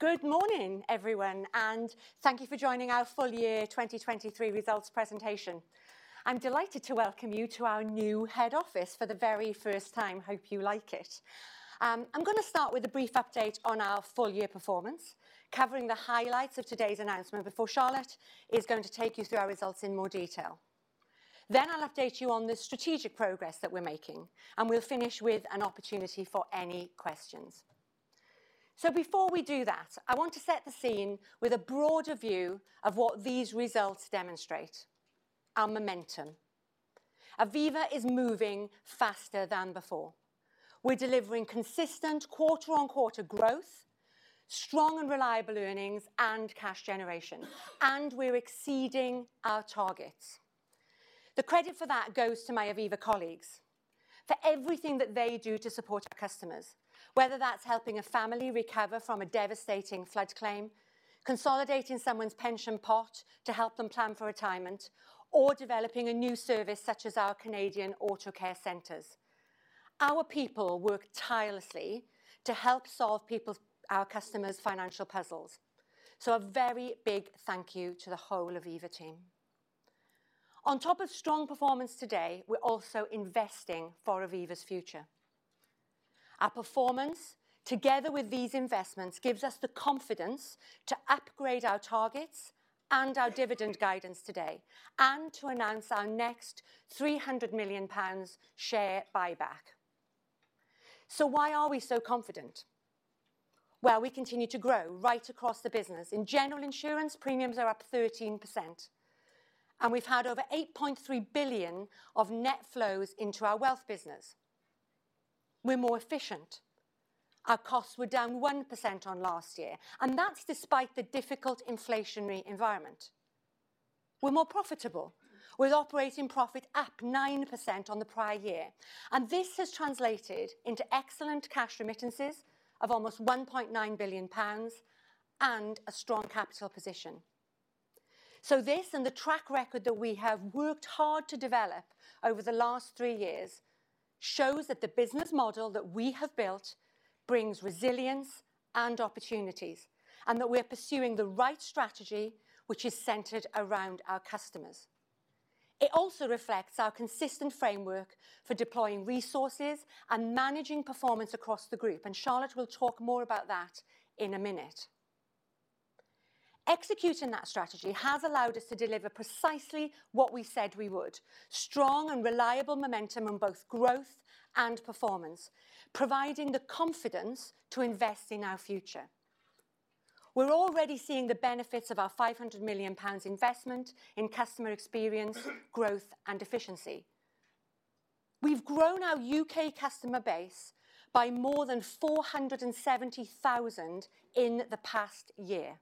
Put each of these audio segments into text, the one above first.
Good morning, everyone, and thank you for joining our full year 2023 results presentation. I'm delighted to welcome you to our new head office for the very first time. Hope you like it. I'm going to start with a brief update on our full year performance, covering the highlights of today's announcement before Charlotte is going to take you through our results in more detail. Then I'll update you on the strategic progress that we're making, and we'll finish with an opportunity for any questions. So before we do that, I want to set the scene with a broader view of what these results demonstrate: our momentum. Aviva is moving faster than before. We're delivering consistent quarter-on-quarter growth, strong and reliable earnings, and cash generation, and we're exceeding our targets. The credit for that goes to my Aviva colleagues for everything that they do to support our customers, whether that's helping a family recover from a devastating flood claim, consolidating someone's pension pot to help them plan for retirement, or developing a new service such as our Canadian auto care centers. Our people work tirelessly to help solve our customers' financial puzzles, so a very big thank you to the whole Aviva team. On top of strong performance today, we're also investing for Aviva's future. Our performance, together with these investments, gives us the confidence to upgrade our targets and our dividend guidance today, and to announce our next 300 million pounds share buyback. So why are we so confident? Well, we continue to grow right across the business. In general insurance, premiums are up 13%, and we've had over $8.3 billion of net flows into our wealth business. We're more efficient. Our costs were down 1% on last year, and that's despite the difficult inflationary environment. We're more profitable, with operating profit up 9% on the prior year, and this has translated into excellent cash remittances of almost 1.9 billion pounds and a strong capital position. So this and the track record that we have worked hard to develop over the last three years shows that the business model that we have built brings resilience and opportunities, and that we are pursuing the right strategy which is centered around our customers. It also reflects our consistent framework for deploying resources and managing performance across the group, and Charlotte will talk more about that in a minute. Executing that strategy has allowed us to deliver precisely what we said we would: strong and reliable momentum on both growth and performance, providing the confidence to invest in our future. We're already seeing the benefits of our 500 million pounds investment in customer experience, growth, and efficiency. We've grown our UK customer base by more than 470,000 in the past year,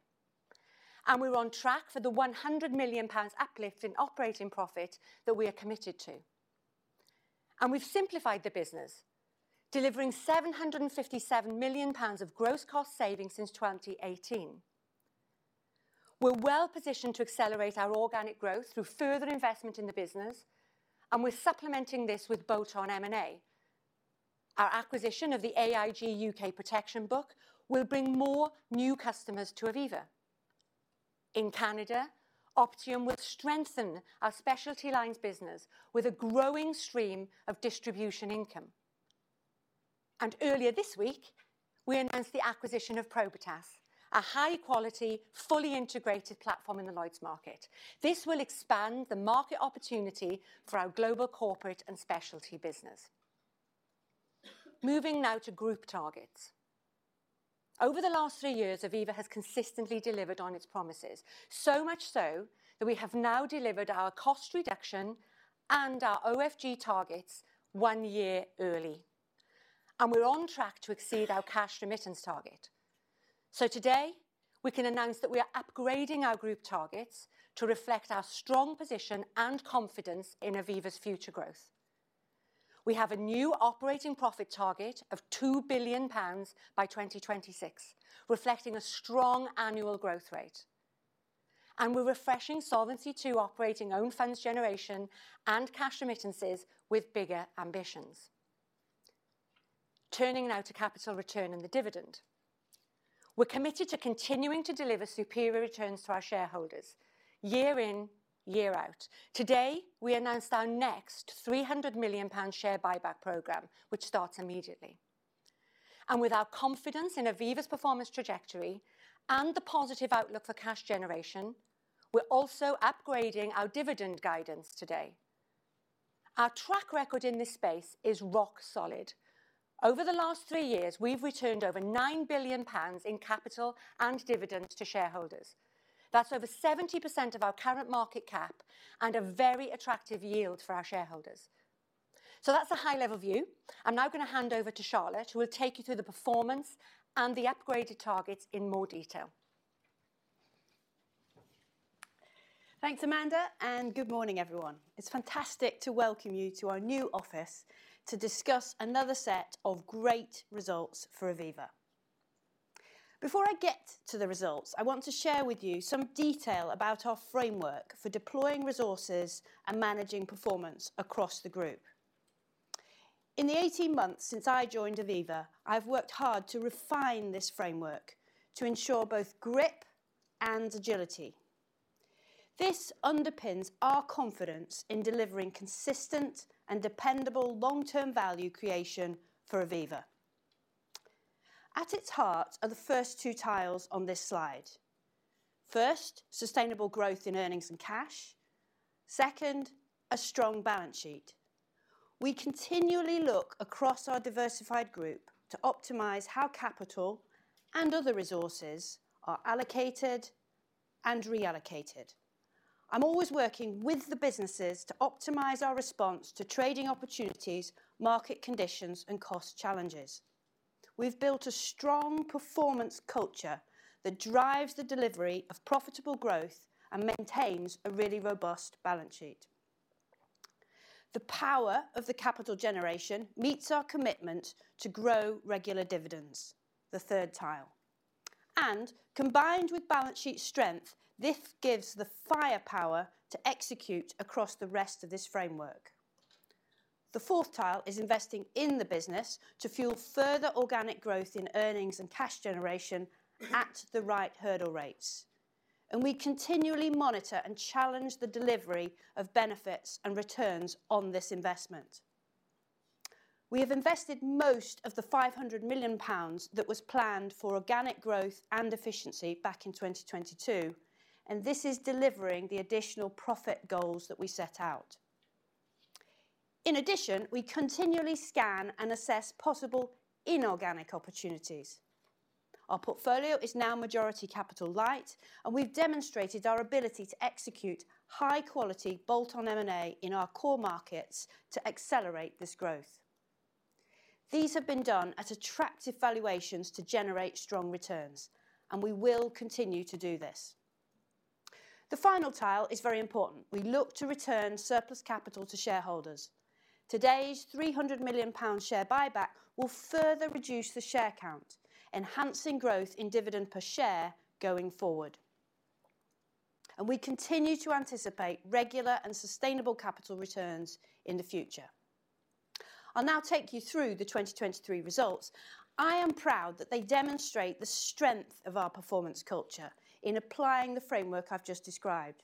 and we're on track for the 100 million pounds uplift in operating profit that we are committed to. We've simplified the business, delivering 757 million pounds of gross cost savings since 2018. We're well positioned to accelerate our organic growth through further investment in the business, and we're supplementing this with bolt-on M&A. Our acquisition of the AIG UK protection book will bring more new customers to Aviva. In Canada, Optiom will strengthen our specialty lines business with a growing stream of distribution income. Earlier this week, we announced the acquisition of Probitas, a high-quality, fully integrated platform in the Lloyd's market. This will expand the market opportunity for our global corporate and specialty business. Moving now to group targets. Over the last three years, Aviva has consistently delivered on its promises, so much so that we have now delivered our cost reduction and our OFG targets one year early, and we're on track to exceed our cash remittance target. So today, we can announce that we are upgrading our group targets to reflect our strong position and confidence in Aviva's future growth. We have a new operating profit target of 2 billion pounds by 2026, reflecting a strong annual growth rate. And we're refreshing Solvency II operating own funds generation and cash remittances with bigger ambitions. Turning now to capital return and the dividend. We're committed to continuing to deliver superior returns to our shareholders, year in, year out. Today, we announced our next 300 million pound share buyback program, which starts immediately. With our confidence in Aviva's performance trajectory and the positive outlook for cash generation, we're also upgrading our dividend guidance today. Our track record in this space is rock solid. Over the last three years, we've returned over 9 billion pounds in capital and dividends to shareholders. That's over 70% of our current market cap and a very attractive yield for our shareholders. That's a high-level view. I'm now going to hand over to Charlotte, who will take you through the performance and the upgraded targets in more detail. Thanks, Amanda, and good morning, everyone. It's fantastic to welcome you to our new office to discuss another set of great results for Aviva. Before I get to the results, I want to share with you some detail about our framework for deploying resources and managing performance across the group. In the 18 months since I joined Aviva, I've worked hard to refine this framework to ensure both grip and agility. This underpins our confidence in delivering consistent and dependable long-term value creation for Aviva. At its heart are the first two tiles on this slide. First, sustainable growth in earnings and cash. Second, a strong balance sheet. We continually look across our diversified group to optimize how capital and other resources are allocated and reallocated. I'm always working with the businesses to optimize our response to trading opportunities, market conditions, and cost challenges. We've built a strong performance culture that drives the delivery of profitable growth and maintains a really robust balance sheet. The power of the capital generation meets our commitment to grow regular dividends, the third tile. Combined with balance sheet strength, this gives the firepower to execute across the rest of this framework. The fourth tile is investing in the business to fuel further organic growth in earnings and cash generation at the right hurdle rates. We continually monitor and challenge the delivery of benefits and returns on this investment. We have invested most of the 500 million pounds that was planned for organic growth and efficiency back in 2022, and this is delivering the additional profit goals that we set out. In addition, we continually scan and assess possible inorganic opportunities. Our portfolio is now majority capital light, and we've demonstrated our ability to execute high-quality bolt-on M&A in our COR markets to accelerate this growth. These have been done at attractive valuations to generate strong returns, and we will continue to do this. The final tile is very important. We look to return surplus capital to shareholders. Today's 300 million pound share buyback will further reduce the share count, enhancing growth in dividend per share going forward. We continue to anticipate regular and sustainable capital returns in the future. I'll now take you through the 2023 results. I am proud that they demonstrate the strength of our performance culture in applying the framework I've just described,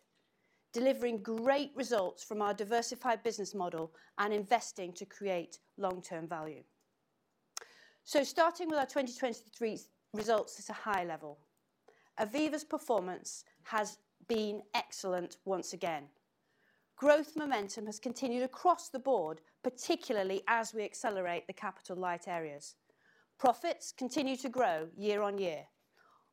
delivering great results from our diversified business model and investing to create long-term value. Starting with our 2023 results at a high level, Aviva's performance has been excellent once again. Growth momentum has continued across the board, particularly as we accelerate the capital light areas. Profits continue to grow year on year.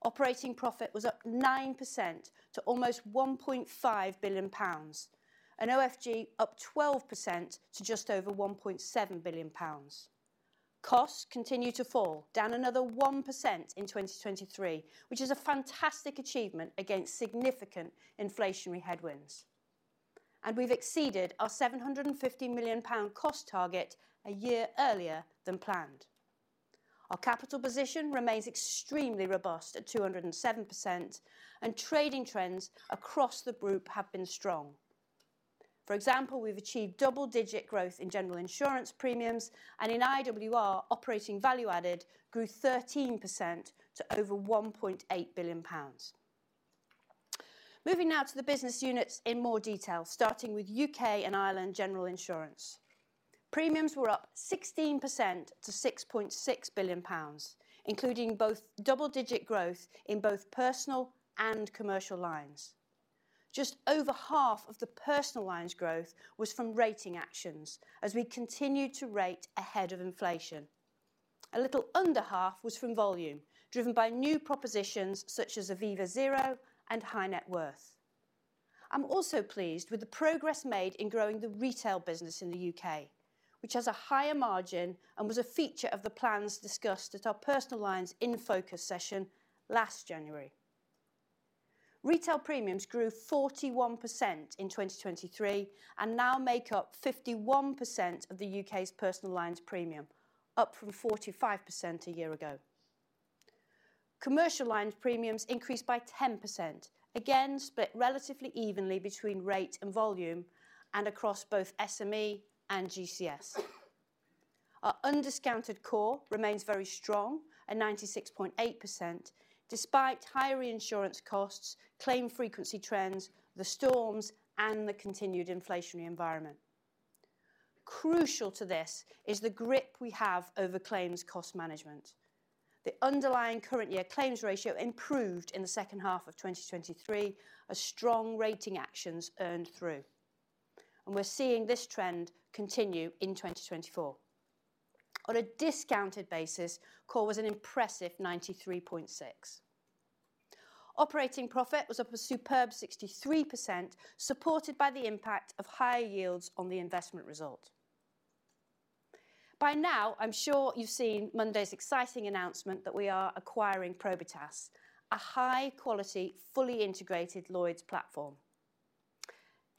Operating profit was up 9% to almost 1.5 billion pounds, and OFG up 12% to just over 1.7 billion pounds. Costs continue to fall, down another 1% in 2023, which is a fantastic achievement against significant inflationary headwinds. We've exceeded our 750 million pound cost target a year earlier than planned. Our capital position remains extremely robust at 207%, and trading trends across the group have been strong. For example, we've achieved double-digit growth in general insurance premiums, and in IWR, Operating Value Added grew 13% to over 1.8 billion pounds. Moving now to the business units in more detail, starting with UK and Ireland general insurance. Premiums were up 16% to 6.6 billion pounds, including both double-digit growth in both personal and commercial lines. Just over half of the personal lines' growth was from rating actions as we continue to rate ahead of inflation. A little under half was from volume, driven by new propositions such as Aviva Zero and High Net Worth. I'm also pleased with the progress made in growing the retail business in the UK, which has a higher margin and was a feature of the plans discussed at our Personal Lines In Focus session last January. Retail premiums grew 41% in 2023 and now make up 51% of the UK's personal lines premium, up from 45% a year ago. Commercial lines premiums increased by 10%, again split relatively evenly between rate and volume and across both SME and GCS. Our undiscounted COR remains very strong at 96.8%, despite higher reinsurance costs, claim frequency trends, the storms, and the continued inflationary environment. Crucial to this is the grip we have over claims cost management. The underlying current year claims ratio improved in the second half of 2023 as strong rating actions earned through, and we're seeing this trend continue in 2024. On a discounted basis, COR was an impressive 93.6%. Operating profit was up a superb 63%, supported by the impact of higher yields on the investment result. By now, I'm sure you've seen Monday's exciting announcement that we are acquiring Probitas, a high-quality, fully integrated Lloyd's platform.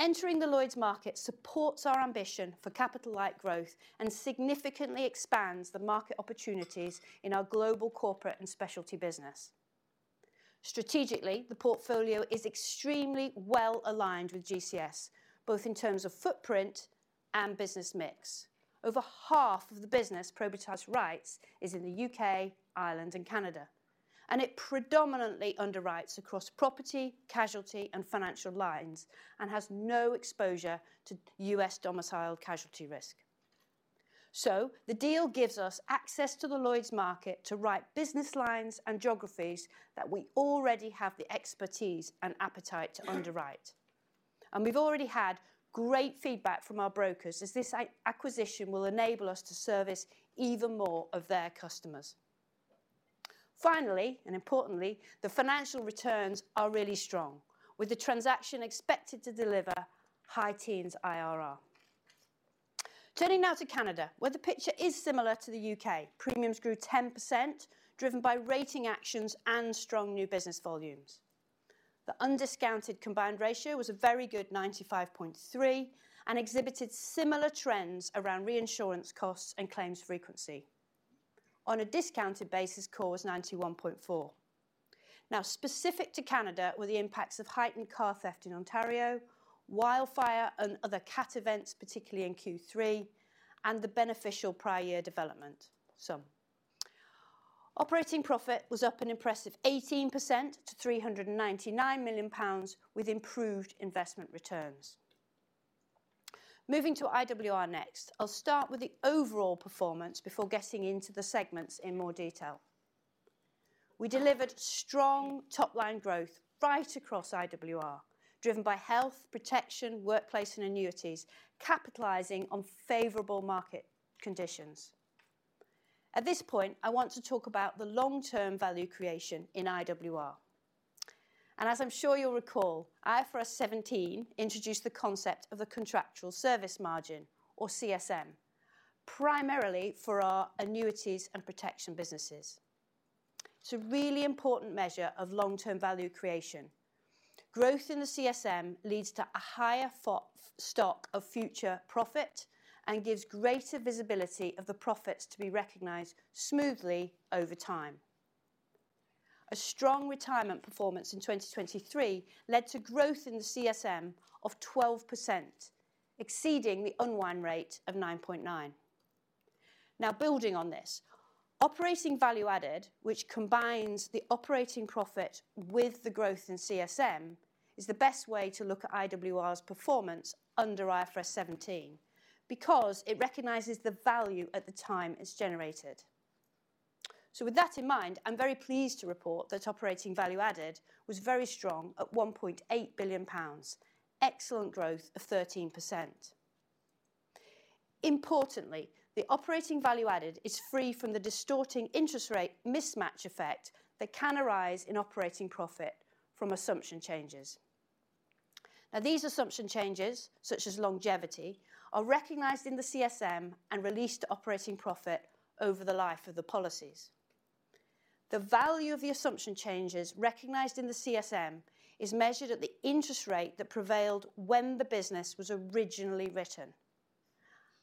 Entering the Lloyd's market supports our ambition for capital light growth and significantly expands the market opportunities in our global corporate and specialty business. Strategically, the portfolio is extremely well aligned with GCS, both in terms of footprint and business mix. Over half of the business Probitas writes is in the U.K., Ireland, and Canada, and it predominantly underwrites across property, casualty, and financial lines and has no exposure to U.S. domiciled casualty risk. So the deal gives us access to the Lloyd's market to write business lines and geographies that we already have the expertise and appetite to underwrite. We've already had great feedback from our brokers as this acquisition will enable us to service even more of their customers. Finally, and importantly, the financial returns are really strong, with the transaction expected to deliver high teens IRR. Turning now to Canada, where the picture is similar to the U.K., premiums grew 10%, driven by rating actions and strong new business volumes. The undiscounted combined ratio was a very good 95.3% and exhibited similar trends around reinsurance costs and claims frequency. On a discounted basis, COR was 91.4%. Now, specific to Canada were the impacts of heightened car theft in Ontario, wildfire, and other cat events, particularly in Q3, and the beneficial prior year development sum. Operating profit was up an impressive 18% to 399 million pounds, with improved investment returns. Moving to IWR next, I'll start with the overall performance before getting into the segments in more detail. We delivered strong top-line growth right across IWR, driven by health, protection, workplace, and annuities, capitalizing on favorable market conditions. At this point, I want to talk about the long-term value creation in IWR. As I'm sure you'll recall, IFRS 17 introduced the concept of the contractual service margin, or CSM, primarily for our annuities and protection businesses. It's a really important measure of long-term value creation. Growth in the CSM leads to a higher stock of future profit and gives greater visibility of the profits to be recognized smoothly over time. A strong retirement performance in 2023 led to growth in the CSM of 12%, exceeding the unwind rate of 9.9%. Now, building on this, Operating Value Added, which combines the operating profit with the growth in CSM, is the best way to look at IWR's performance under IFRS 17 because it recognizes the value at the time it's generated. So with that in mind, I'm very pleased to report that Operating Value Added was very strong at 1.8 billion pounds, excellent growth of 13%. Importantly, the Operating Value Added is free from the distorting interest rate mismatch effect that can arise in operating profit from assumption changes. Now, these assumption changes, such as longevity, are recognized in the CSM and released to operating profit over the life of the policies. The value of the assumption changes recognized in the CSM is measured at the interest rate that prevailed when the business was originally written.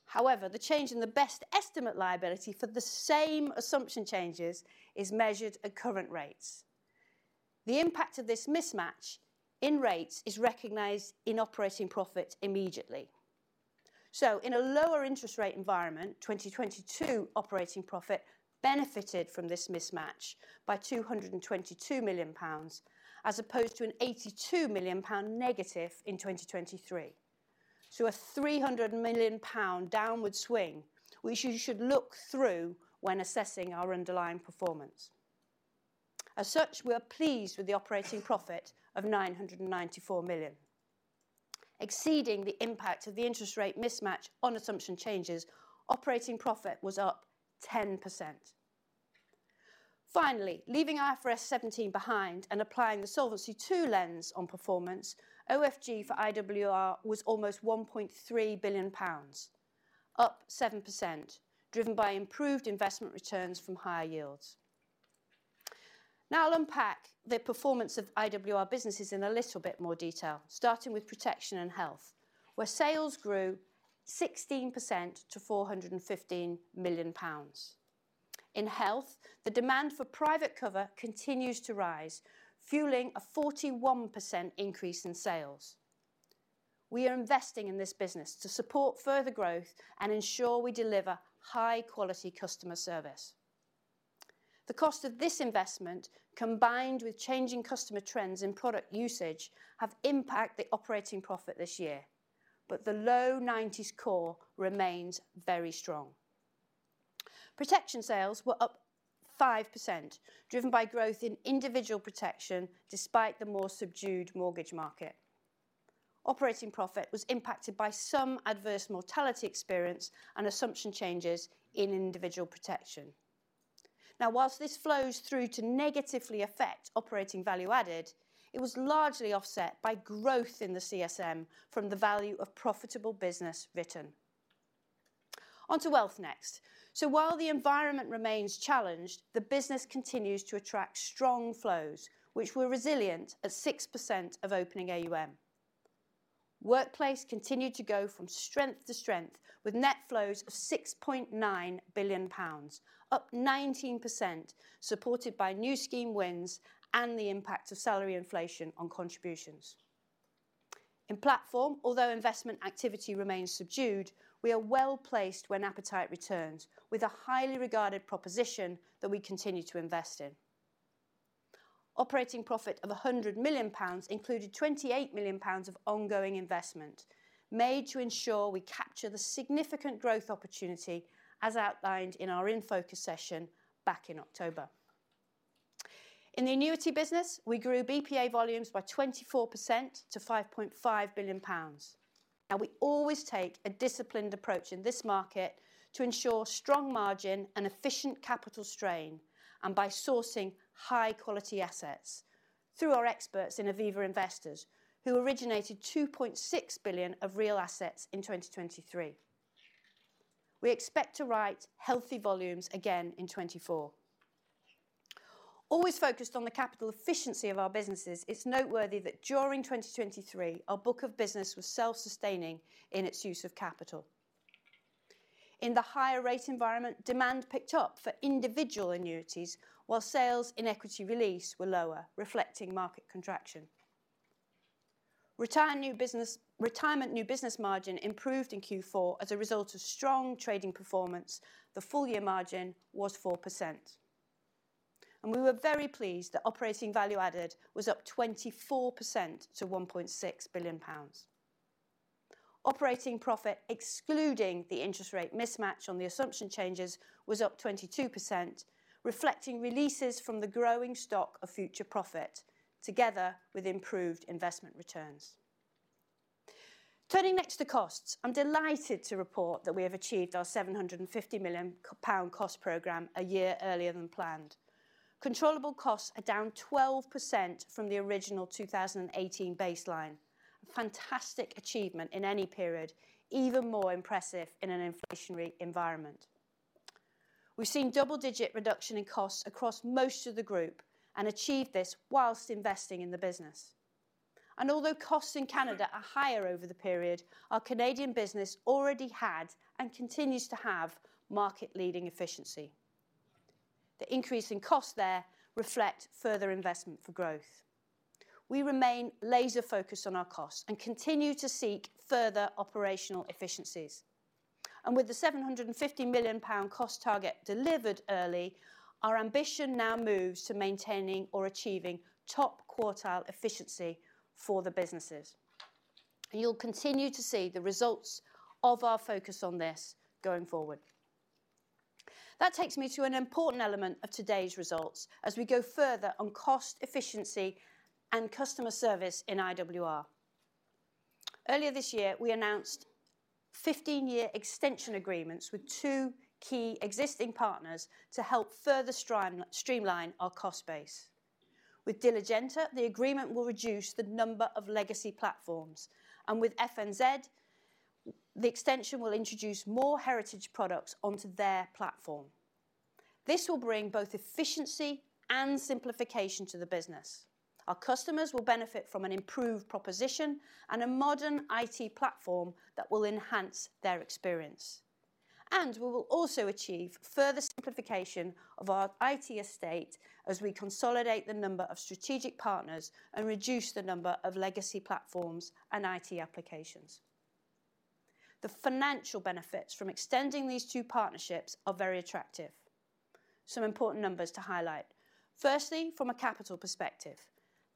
However, the change in the best estimate liability for the same assumption changes is measured at current rates. The impact of this mismatch in rates is recognized in operating profit immediately. So in a lower interest rate environment, 2022 operating profit benefited from this mismatch by 222 million pounds as opposed to an 82 million pound negative in 2023. So a 300 million pound downward swing, which you should look through when assessing our underlying performance. As such, we are pleased with the operating profit of 994 million. Exceeding the impact of the interest rate mismatch on assumption changes, operating profit was up 10%. Finally, leaving IFRS 17 behind and applying the Solvency II lens on performance, OFG for IWR was almost 1.3 billion pounds, up 7%, driven by improved investment returns from higher yields. Now, I'll unpack the performance of IWR businesses in a little bit more detail, starting with protection and health, where sales grew 16% to 415 million pounds. In health, the demand for private cover continues to rise, fueling a 41% increase in sales. We are investing in this business to support further growth and ensure we deliver high-quality customer service. The cost of this investment, combined with changing customer trends in product usage, have impacted the operating profit this year, but the low 90s COR remains very strong. Protection sales were up 5%, driven by growth in individual protection despite the more subdued mortgage market. Operating profit was impacted by some adverse mortality experience and assumption changes in individual protection. Now, whilst this flows through to negatively affect Operating Value Added, it was largely offset by growth in the CSM from the value of profitable business written. Onto wealth next. So while the environment remains challenged, the business continues to attract strong flows, which were resilient at 6% of opening AUM. Workplace continued to go from strength to strength with net flows of 6.9 billion pounds, up 19%, supported by new scheme wins and the impact of salary inflation on contributions. In platform, although investment activity remains subdued, we are well placed when appetite returns, with a highly regarded proposition that we continue to invest in. Operating profit of 100 million pounds included 28 million pounds of ongoing investment made to ensure we capture the significant growth opportunity as outlined in our in focus session back in October. In the annuity business, we grew BPA volumes by 24% to 5.5 billion pounds. Now, we always take a disciplined approach in this market to ensure strong margin and efficient capital strain and by sourcing high-quality assets through our experts in Aviva Investors, who originated 2.6 billion of real assets in 2023. We expect to write healthy volumes again in 2024. Always focused on the capital efficiency of our businesses, it's noteworthy that during 2023, our book of business was self-sustaining in its use of capital. In the higher rate environment, demand picked up for individual annuities, while sales in equity release were lower, reflecting market contraction. Retirement new business margin improved in Q4 as a result of strong trading performance. The full year margin was 4%. We were very pleased that Operating Value Added was up 24% to 1.6 billion pounds. Operating profit excluding the interest rate mismatch on the assumption changes was up 22%, reflecting releases from the growing stock of future profit, together with improved investment returns. Turning next to costs, I'm delighted to report that we have achieved our 750 million pound cost program a year earlier than planned. Controllable costs are down 12% from the original 2018 baseline, a fantastic achievement in any period, even more impressive in an inflationary environment. We've seen double-digit reduction in costs across most of the group and achieved this while investing in the business. And although costs in Canada are higher over the period, our Canadian business already had and continues to have market-leading efficiency. The increase in costs there reflects further investment for growth. We remain laser-focused on our costs and continue to seek further operational efficiencies. With the 750 million pound cost target delivered early, our ambition now moves to maintaining or achieving top quartile efficiency for the businesses. You'll continue to see the results of our focus on this going forward. That takes me to an important element of today's results as we go further on cost efficiency and customer service in IWR. Earlier this year, we announced 15-year extension agreements with two key existing partners to help further streamline our cost base. With Diligenta, the agreement will reduce the number of legacy platforms. With FNZ, the extension will introduce more heritage products onto their platform. This will bring both efficiency and simplification to the business. Our customers will benefit from an improved proposition and a modern IT platform that will enhance their experience. We will also achieve further simplification of our IT estate as we consolidate the number of strategic partners and reduce the number of legacy platforms and IT applications. The financial benefits from extending these two partnerships are very attractive. Some important numbers to highlight. Firstly, from a capital perspective,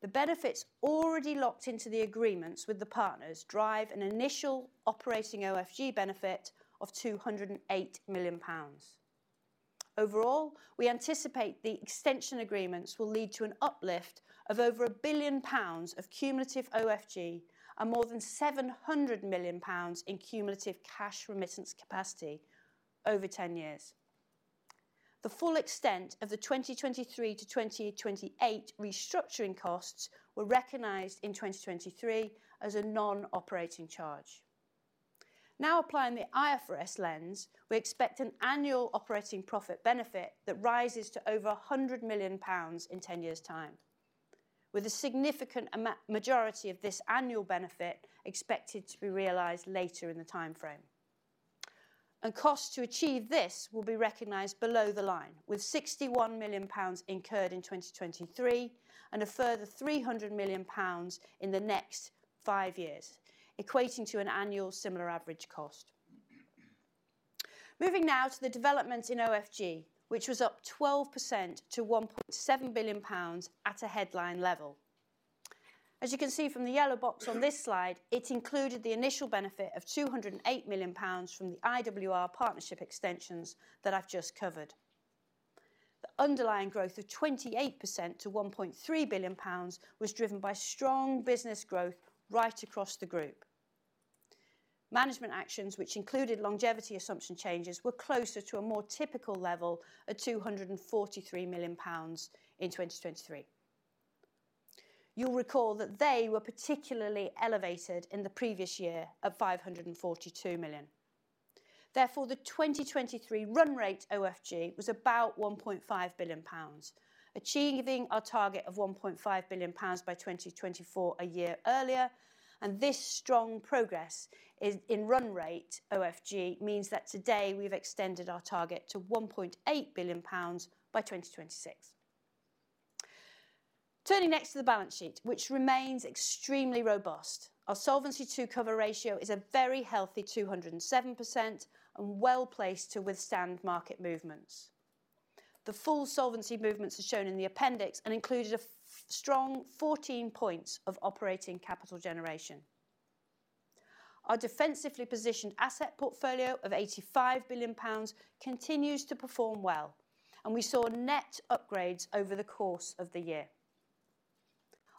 the benefits already locked into the agreements with the partners drive an initial operating OFG benefit of 208 million pounds. Overall, we anticipate the extension agreements will lead to an uplift of over 1 billion pounds of cumulative OFG and more than 700 million pounds in cumulative cash remittance capacity over 10 years. The full extent of the 2023 to 2028 restructuring costs were recognized in 2023 as a non-operating charge. Now, applying the IFRS lens, we expect an annual operating profit benefit that rises to over 100 million pounds in 10 years' time, with a significant majority of this annual benefit expected to be realized later in the timeframe. And costs to achieve this will be recognized below the line, with 61 million pounds incurred in 2023 and a further 300 million pounds in the next five years, equating to an annual similar average cost. Moving now to the developments in OFG, which was up 12% to 1.7 billion pounds at a headline level. As you can see from the yellow box on this slide, it included the initial benefit of 208 million pounds from the IWR partnership extensions that I've just covered. The underlying growth of 28% to 1.3 billion pounds was driven by strong business growth right across the group. Management actions, which included longevity assumption changes, were closer to a more typical level of 243 million pounds in 2023. You'll recall that they were particularly elevated in the previous year at 542 million. Therefore, the 2023 run rate OFG was about 1.5 billion pounds, achieving our target of 1.5 billion pounds by 2024 a year earlier. This strong progress in run rate OFG means that today we've extended our target to 1.8 billion pounds by 2026. Turning next to the balance sheet, which remains extremely robust, our Solvency II cover ratio is a very healthy 207% and well placed to withstand market movements. The full solvency movements are shown in the appendix and included a strong 14 points of operating capital generation. Our defensively positioned asset portfolio of 85 billion pounds continues to perform well, and we saw net upgrades over the course of the year.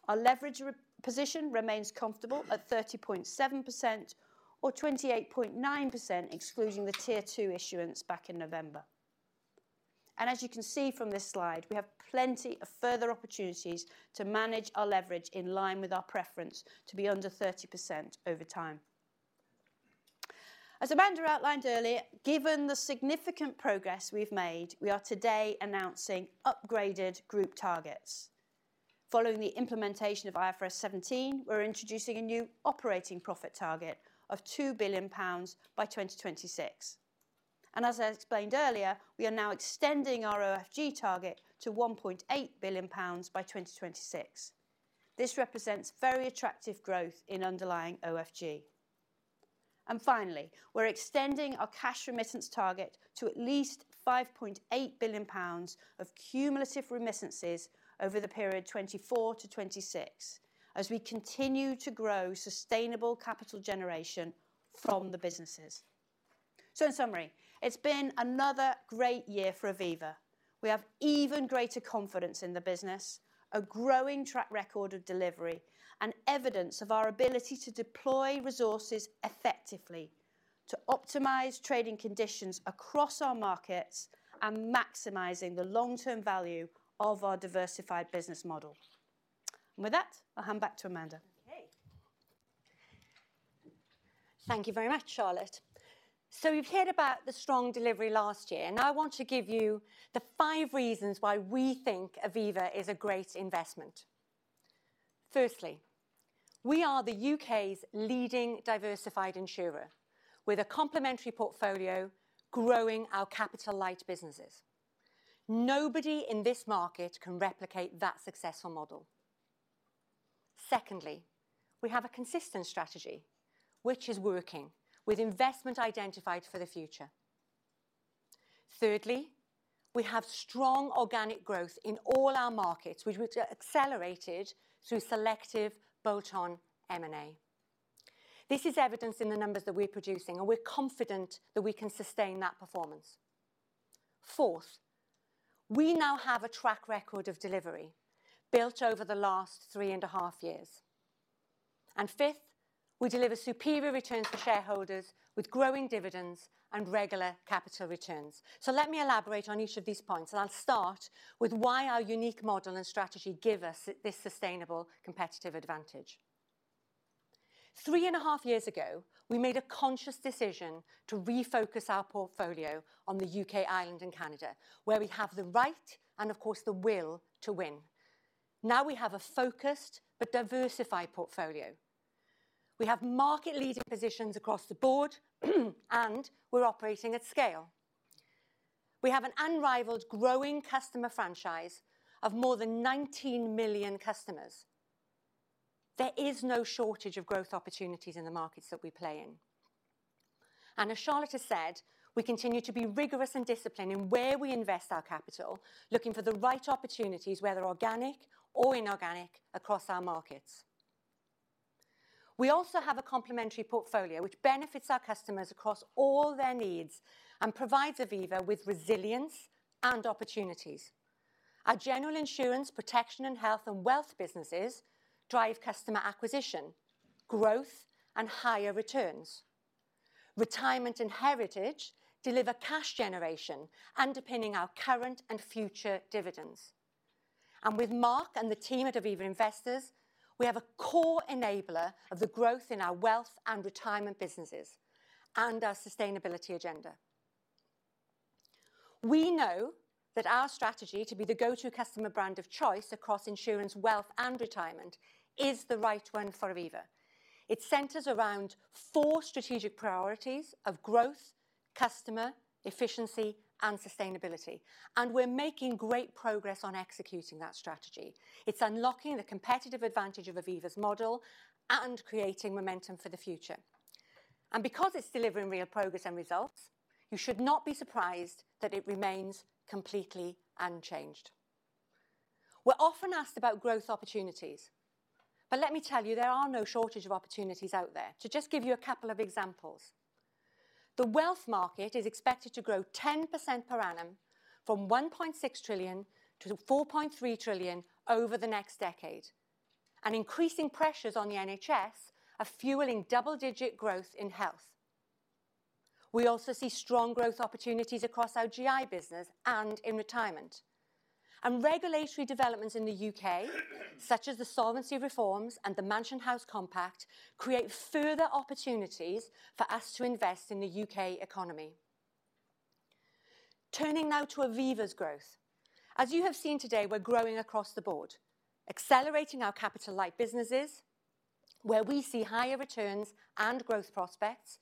Our leverage position remains comfortable at 30.7% or 28.9%, excluding the tier two issuance back in November. As you can see from this slide, we have plenty of further opportunities to manage our leverage in line with our preference to be under 30% over time. As Amanda outlined earlier, given the significant progress we've made, we are today announcing upgraded group targets. Following the implementation of IFRS 17, we're introducing a new operating profit target of 2 billion pounds by 2026. As I explained earlier, we are now extending our OFG target to 1.8 billion pounds by 2026. This represents very attractive growth in underlying OFG. Finally, we're extending our cash remittance target to at least 5.8 billion pounds of cumulative remittances over the period 2024 to 2026, as we continue to grow sustainable capital generation from the businesses. In summary, it's been another great year for Aviva. We have even greater confidence in the business, a growing track record of delivery, and evidence of our ability to deploy resources effectively to optimize trading conditions across our markets and maximizing the long-term value of our diversified business model. With that, I'll hand back to Amanda. Okay. Thank you very much, Charlotte. So we've heard about the strong delivery last year. Now I want to give you the five reasons why we think Aviva is a great investment. Firstly, we are the UK's leading diversified insurer, with a complementary portfolio growing our capital light businesses. Nobody in this market can replicate that successful model. Secondly, we have a consistent strategy, which is working, with investment identified for the future. Thirdly, we have strong organic growth in all our markets, which was accelerated through selective bolt-on M&A. This is evidenced in the numbers that we're producing, and we're confident that we can sustain that performance. Fourth, we now have a track record of delivery built over the last three and a half years. And fifth, we deliver superior returns for shareholders with growing dividends and regular capital returns. So let me elaborate on each of these points. I'll start with why our unique model and strategy give us this sustainable competitive advantage. Three and a half years ago, we made a conscious decision to refocus our portfolio on the UK, Ireland, and Canada, where we have the right and, of course, the will to win. Now we have a focused but diversified portfolio. We have market-leading positions across the board, and we're operating at scale. We have an unrivaled growing customer franchise of more than 19 million customers. There is no shortage of growth opportunities in the markets that we play in. And as Charlotte has said, we continue to be rigorous and disciplined in where we invest our capital, looking for the right opportunities, whether organic or inorganic, across our markets. We also have a complementary portfolio, which benefits our customers across all their needs and provides Aviva with resilience and opportunities. Our general insurance, protection, and health and wealth businesses drive customer acquisition, growth, and higher returns. Retirement and heritage deliver cash generation, underpinning our current and future dividends. And with Mark and the team at Aviva Investors, we have a COR enabler of the growth in our wealth and retirement businesses and our sustainability agenda. We know that our strategy to be the go-to customer brand of choice across insurance, wealth, and retirement is the right one for Aviva. It centers around four strategic priorities of growth, customer, efficiency, and sustainability. And we're making great progress on executing that strategy. It's unlocking the competitive advantage of Aviva's model and creating momentum for the future. And because it's delivering real progress and results, you should not be surprised that it remains completely unchanged. We're often asked about growth opportunities. But let me tell you, there are no shortage of opportunities out there. To just give you a couple of examples, the wealth market is expected to grow 10% per annum from 1.6 trillion-4.3 trillion over the next decade, and increasing pressures on the NHS are fueling double-digit growth in health. We also see strong growth opportunities across our GI business and in retirement. Regulatory developments in the UK, such as the solvency reforms and the Mansion House Compact, create further opportunities for us to invest in the UK economy. Turning now to Aviva's growth. As you have seen today, we're growing across the board, accelerating our capital light businesses, where we see higher returns and growth prospects,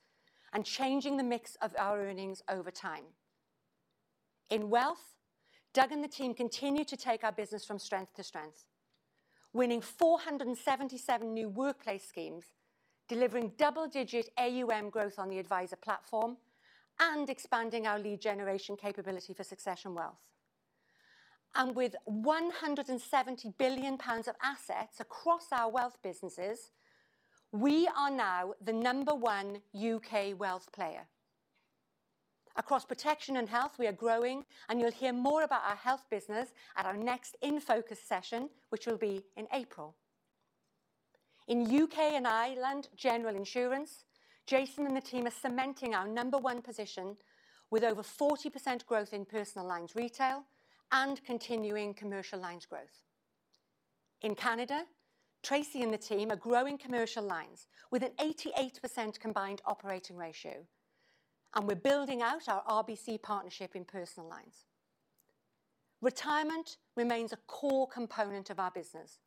and changing the mix of our earnings over time. In wealth, Doug and the team continue to take our business from strength to strength, winning 477 new workplace schemes, delivering double-digit AUM growth on the advisor platform, and expanding our lead generation capability for Succession Wealth. With 170 billion pounds of assets across our wealth businesses, we are now the number one UK wealth player. Across protection and health, we are growing. You'll hear more about our health business at our next In Focus session, which will be in April. In UK and Ireland general insurance, Jason and the team are cementing our number one position with over 40% growth in personal lines retail and continuing commercial lines growth. In Canada, Tracy and the team are growing commercial lines with an 88% Combined Operating Ratio. We're building out our RBC partnership in personal lines. Retirement remains a COR component of our business.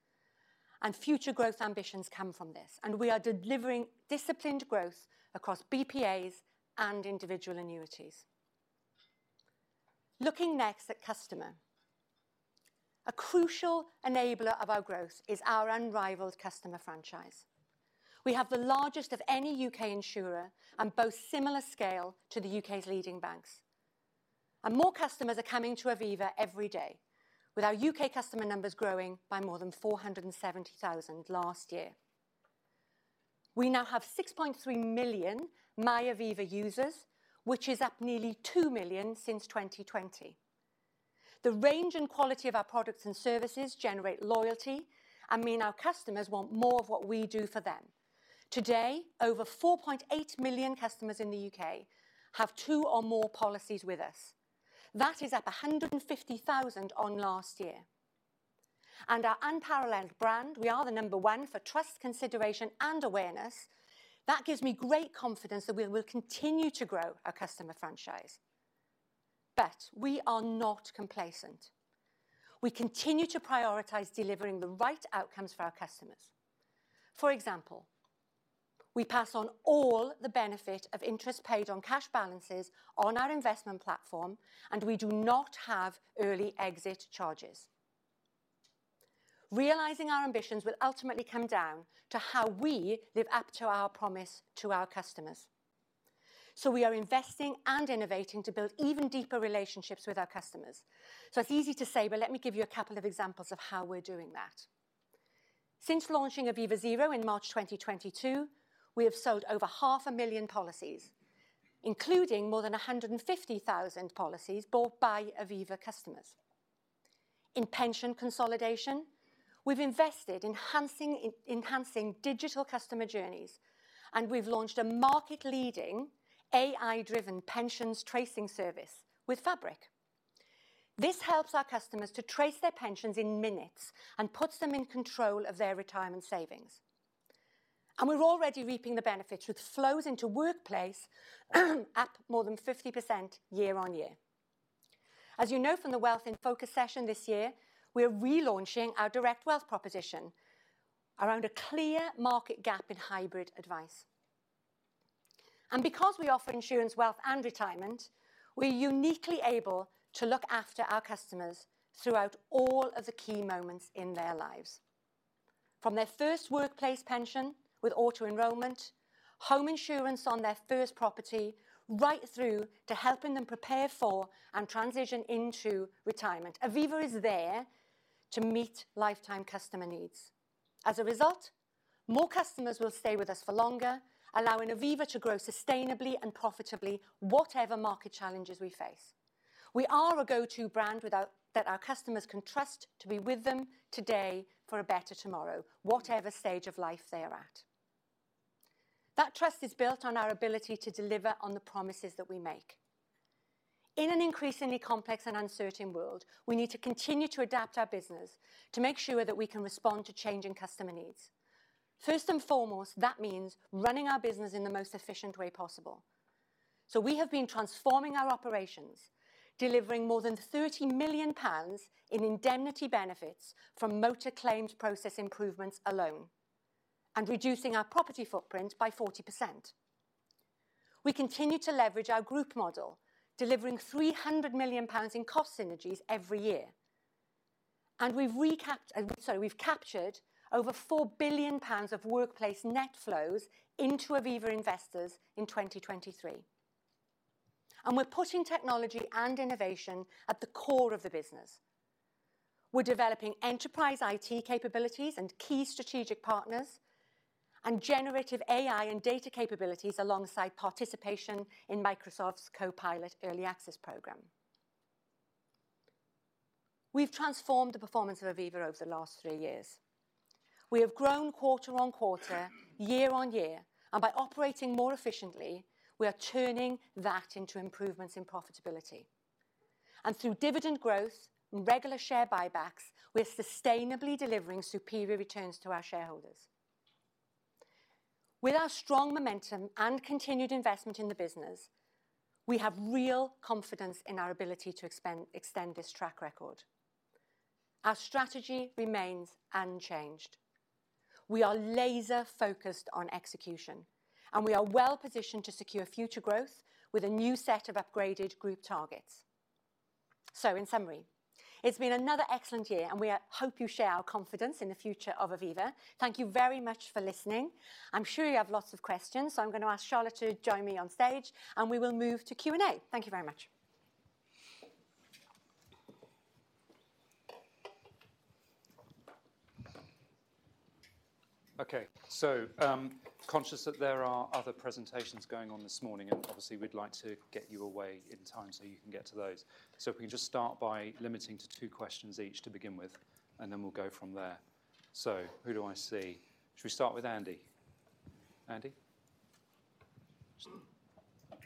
Future growth ambitions come from this. We are delivering disciplined growth across BPAs and individual annuities. Looking next at customer, a crucial enabler of our growth is our unrivaled customer franchise. We have the largest of any U.K. insurer and both similar scale to the U.K.'s leading banks. More customers are coming to Aviva every day, with our U.K. customer numbers growing by more than 470,000 last year. We now have 6.3 million MyAviva users, which is up nearly 2 million since 2020. The range and quality of our products and services generate loyalty and mean our customers want more of what we do for them. Today, over 4.8 million customers in the U.K. have two or more policies with us. That is up 150,000 on last year. Our unparalleled brand, we are the number one for trust consideration and awareness. That gives me great confidence that we will continue to grow our customer franchise. But we are not complacent. We continue to prioritize delivering the right outcomes for our customers. For example, we pass on all the benefit of interest paid on cash balances on our investment platform, and we do not have early exit charges. Realizing our ambitions will ultimately come down to how we live up to our promise to our customers. So we are investing and innovating to build even deeper relationships with our customers. So it's easy to say, but let me give you a couple of examples of how we're doing that. Since launching Aviva Zero in March 2022, we have sold over 500,000 policies, including more than 150,000 policies bought by Aviva customers. In pension consolidation, we've invested in enhancing digital customer journeys. We've launched a market-leading AI-driven pensions tracing service with Fabric. This helps our customers to trace their pensions in minutes and puts them in control of their retirement savings. We're already reaping the benefits with flows into workplace up more than 50% year-on-year. As you know from the Wealth In Focus session this year, we are relaunching our Direct Wealth proposition around a clear market gap in hybrid advice. Because we offer insurance, wealth, and retirement, we are uniquely able to look after our customers throughout all of the key moments in their lives, from their first workplace pension with auto enrollment, home insurance on their first property, right through to helping them prepare for and transition into retirement. Aviva is there to meet lifetime customer needs. As a result, more customers will stay with us for longer, allowing Aviva to grow sustainably and profitably, whatever market challenges we face. We are a go-to brand that our customers can trust to be with them today for a better tomorrow, whatever stage of life they are at. That trust is built on our ability to deliver on the promises that we make. In an increasingly complex and uncertain world, we need to continue to adapt our business to make sure that we can respond to changing customer needs. First and foremost, that means running our business in the most efficient way possible. We have been transforming our operations, delivering more than 30 million pounds in indemnity benefits from motor claimed process improvements alone, and reducing our property footprint by 40%. We continue to leverage our group model, delivering 300 million pounds in cost synergies every year. We've captured over 4 billion pounds of workplace net flows into Aviva Investors in 2023. We're putting technology and innovation at the core of the business. We're developing enterprise IT capabilities and key strategic partners, and generative AI and data capabilities alongside participation in Microsoft's Copilot early access program. We've transformed the performance of Aviva over the last three years. We have grown quarter-on-quarter, year-on-year. By operating more efficiently, we are turning that into improvements in profitability. Through dividend growth and regular share buybacks, we are sustainably delivering superior returns to our shareholders. With our strong momentum and continued investment in the business, we have real confidence in our ability to extend this track record. Our strategy remains unchanged. We are laser-focused on execution. We are well-positioned to secure future growth with a new set of upgraded group targets. In summary, it's been another excellent year. We hope you share our confidence in the future of Aviva. Thank you very much for listening. I'm sure you have lots of questions. I'm going to ask Charlotte to join me on stage. We will move to Q&A. Thank you very much. OK. So conscious that there are other presentations going on this morning, and obviously, we'd like to get you away in time so you can get to those. So if we can just start by limiting to two questions each to begin with, and then we'll go from there. So who do I see? Should we start with Andy? Andy? Thank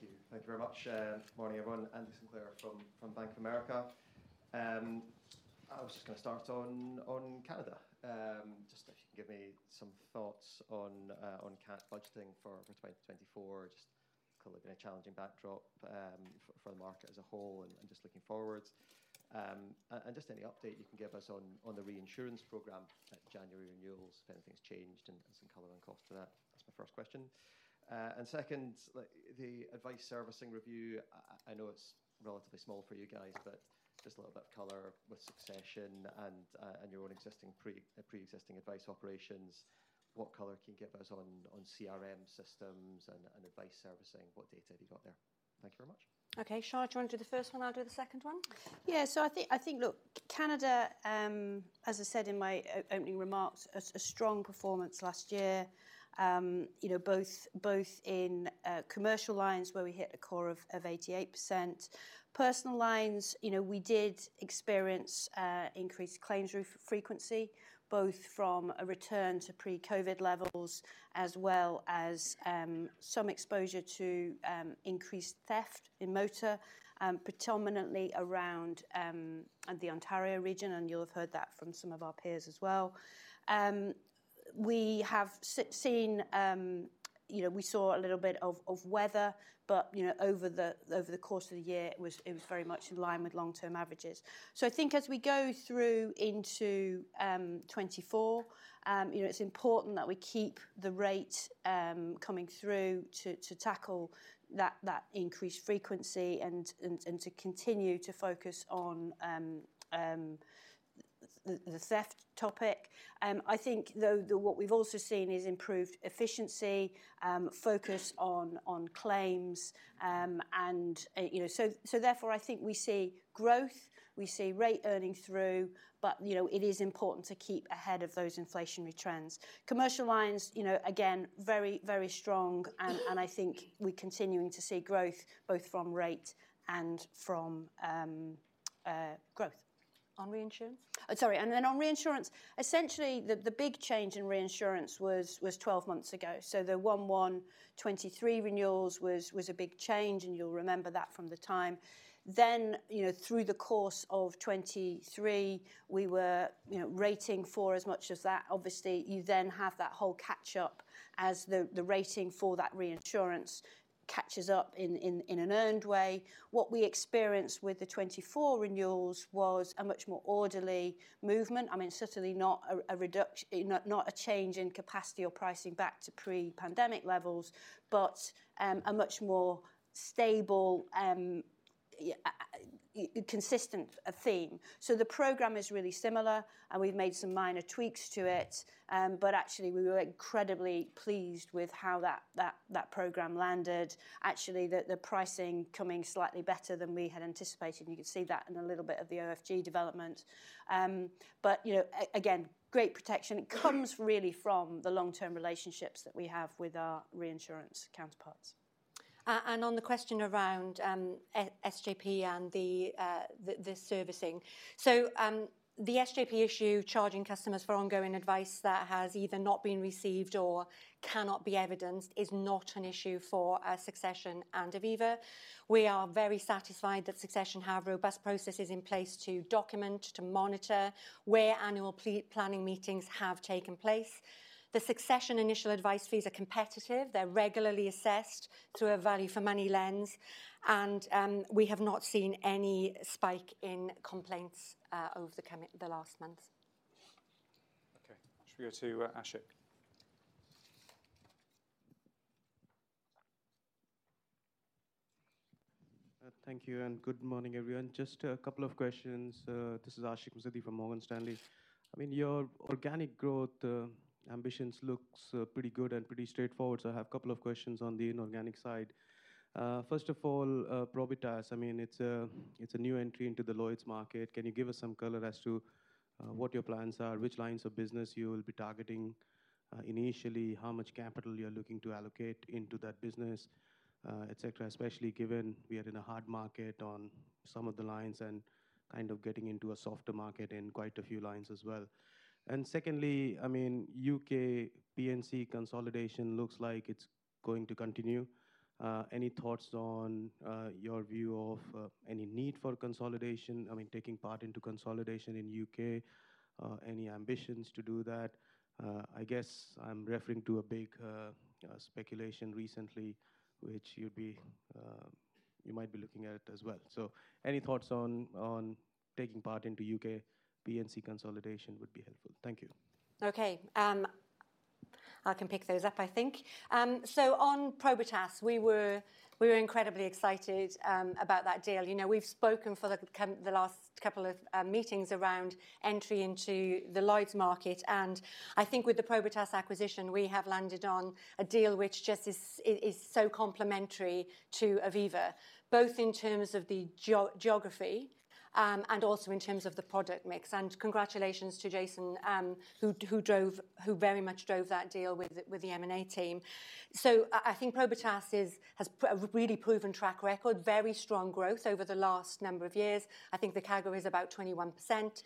you. Thank you very much. Morning, everyone. Andy Sinclair from Bank of America. I was just going to start on Canada, just if you can give me some thoughts on budgeting for 2024, just because there's been a challenging backdrop for the market as a whole and just looking forwards. And just any update you can give us on the reinsurance program, January renewals, if anything's changed, and some color and cost to that. That's my first question. And second, the advice servicing review, I know it's relatively small for you guys, but just a little bit of color with Succession and your own pre-existing advice operations. What color can you give us on CRM systems and advice servicing? What data have you got there? Thank you very much. OK. Charlotte, do you want to do the first one? I'll do the second one. Yeah. So I think, look, Canada, as I said in my opening remarks, a strong performance last year, both in commercial lines where we hit the core of 88%. Personal lines, we did experience increased claims frequency, both from a return to pre-COVID levels as well as some exposure to increased theft in motor, predominantly around the Ontario region. And you'll have heard that from some of our peers as well. We saw a little bit of weather. But over the course of the year, it was very much in line with long-term averages. So I think as we go through into 2024, it's important that we keep the rate coming through to tackle that increased frequency and to continue to focus on the theft topic. I think, though, what we've also seen is improved efficiency, focus on claims. And so therefore, I think we see growth. We see rate earning through. But it is important to keep ahead of those inflationary trends. Commercial lines, again, very, very strong. And I think we're continuing to see growth both from rate and from growth. On reinsurance? Sorry. Then on reinsurance, essentially, the big change in reinsurance was 12 months ago. So the 1/1/2023 renewals was a big change. And you'll remember that from the time. Then through the course of 2023, we were rating for as much as that. Obviously, you then have that whole catch-up as the rating for that reinsurance catches up in an earned way. What we experienced with the 2024 renewals was a much more orderly movement. I mean, certainly not a change in capacity or pricing back to pre-pandemic levels, but a much more stable, consistent theme. So the program is really similar. And we've made some minor tweaks to it. But actually, we were incredibly pleased with how that program landed, actually, the pricing coming slightly better than we had anticipated. And you could see that in a little bit of the OFG development. But again, great protection. It comes really from the long-term relationships that we have with our reinsurance counterparts. On the question around SJP and the servicing, so the SJP issue charging customers for ongoing advice that has either not been received or cannot be evidenced is not an issue for Succession and Aviva. We are very satisfied that Succession have robust processes in place to document, to monitor where annual planning meetings have taken place. The Succession initial advice fees are competitive. They're regularly assessed through a value-for-money lens. We have not seen any spike in complaints over the last month. OK. Should we go to Ashik? Thank you. And good morning, everyone. Just a couple of questions. This is Ashik Musaddi from Morgan Stanley. I mean, your organic growth ambitions look pretty good and pretty straightforward. So I have a couple of questions on the inorganic side. First of all, Probitas. I mean, it's a new entry into the Lloyd's market. Can you give us some color as to what your plans are, which lines of business you will be targeting initially, how much capital you're looking to allocate into that business, et cetera, especially given we are in a hard market on some of the lines and kind of getting into a softer market in quite a few lines as well? And secondly, I mean, UK P&C consolidation looks like it's going to continue. Any thoughts on your view of any need for consolidation, I mean, taking part into consolidation in the UK, any ambitions to do that? I guess I'm referring to a big speculation recently, which you might be looking at as well. So any thoughts on taking part into UK P&C consolidation would be helpful. Thank you. OK. I can pick those up, I think. So on Probitas, we were incredibly excited about that deal. We've spoken for the last couple of meetings around entry into the Lloyd's market. And I think with the Probitas acquisition, we have landed on a deal which just is so complementary to Aviva, both in terms of the geography and also in terms of the product mix. And congratulations to Jason, who very much drove that deal with the M&A team. So I think Probitas has a really proven track record, very strong growth over the last number of years. I think the CAGR is about 21%.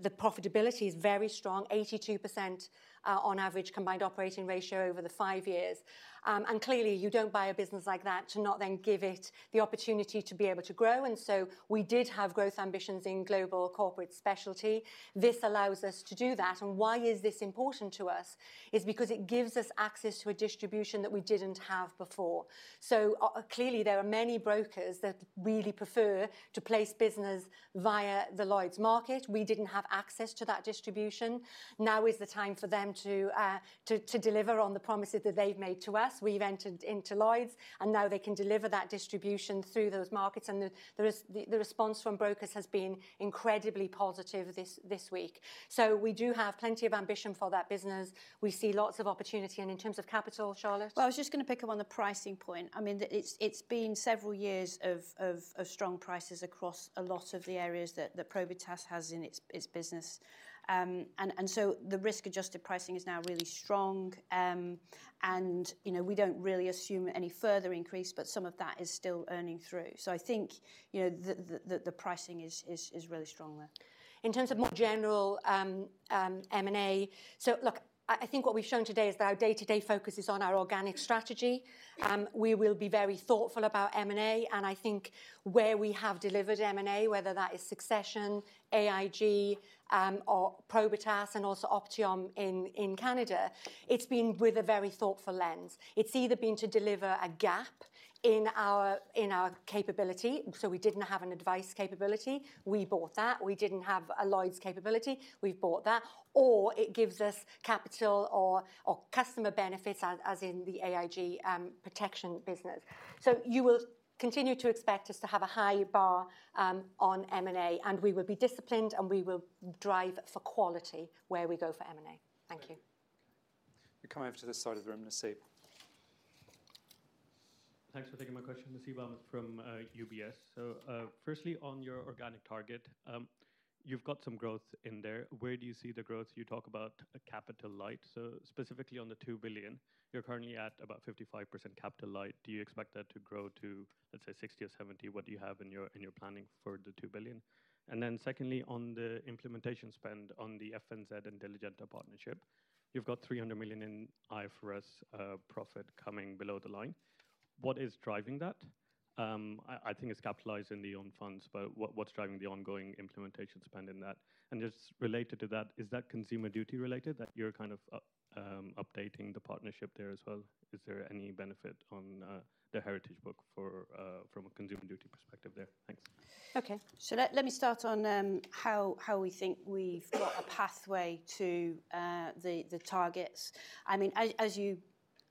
The profitability is very strong, 82% on average combined operating ratio over the five years. And clearly, you don't buy a business like that to not then give it the opportunity to be able to grow. And so we did have growth ambitions in Global Corporate & Specialty. This allows us to do that. And why is this important to us is because it gives us access to a distribution that we didn't have before. So clearly, there are many brokers that really prefer to place business via the Lloyd's market. We didn't have access to that distribution. Now is the time for them to deliver on the promises that they've made to us. We've entered into Lloyd's. And now they can deliver that distribution through those markets. And the response from brokers has been incredibly positive this week. So we do have plenty of ambition for that business. We see lots of opportunity. And in terms of capital, Charlotte? Well, I was just going to pick up on the pricing point. I mean, it's been several years of strong prices across a lot of the areas that Probitas has in its business. And so the risk-adjusted pricing is now really strong. And we don't really assume any further increase. But some of that is still earning through. So I think the pricing is really strong there. In terms of more general M&A, so look, I think what we've shown today is that our day-to-day focus is on our organic strategy. We will be very thoughtful about M&A. And I think where we have delivered M&A, whether that is Succession, AIG, or Probitas, and also Optiom in Canada, it's been with a very thoughtful lens. It's either been to deliver a gap in our capability. So we didn't have an advice capability. We bought that. We didn't have a Lloyd's capability. We've bought that. Or it gives us capital or customer benefits, as in the AIG protection business. So you will continue to expect us to have a high bar on M&A. And we will be disciplined. And we will drive for quality where we go for M&A. Thank you. You're coming over to this side of the room, Nasib. Thanks for taking my question. Nasib Ahmed from UBS. So firstly, on your organic target, you've got some growth in there. Where do you see the growth? You talk about capital light. So specifically on the $2 billion, you're currently at about 55% capital light. Do you expect that to grow to, let's say, 60% or 70%? What do you have in your planning for the $2 billion? And then secondly, on the implementation spend on the FNZ and Diligenta partnership, you've got $300 million in IFRS profit coming below the line. What is driving that? I think it's capitalized in the own funds. But what's driving the ongoing implementation spend in that? And just related to that, is that Consumer Duty related, that you're kind of updating the partnership there as well? Is there any benefit on the heritage book from a Consumer Duty perspective there? Thanks. OK. So let me start on how we think we've got a pathway to the targets. I mean,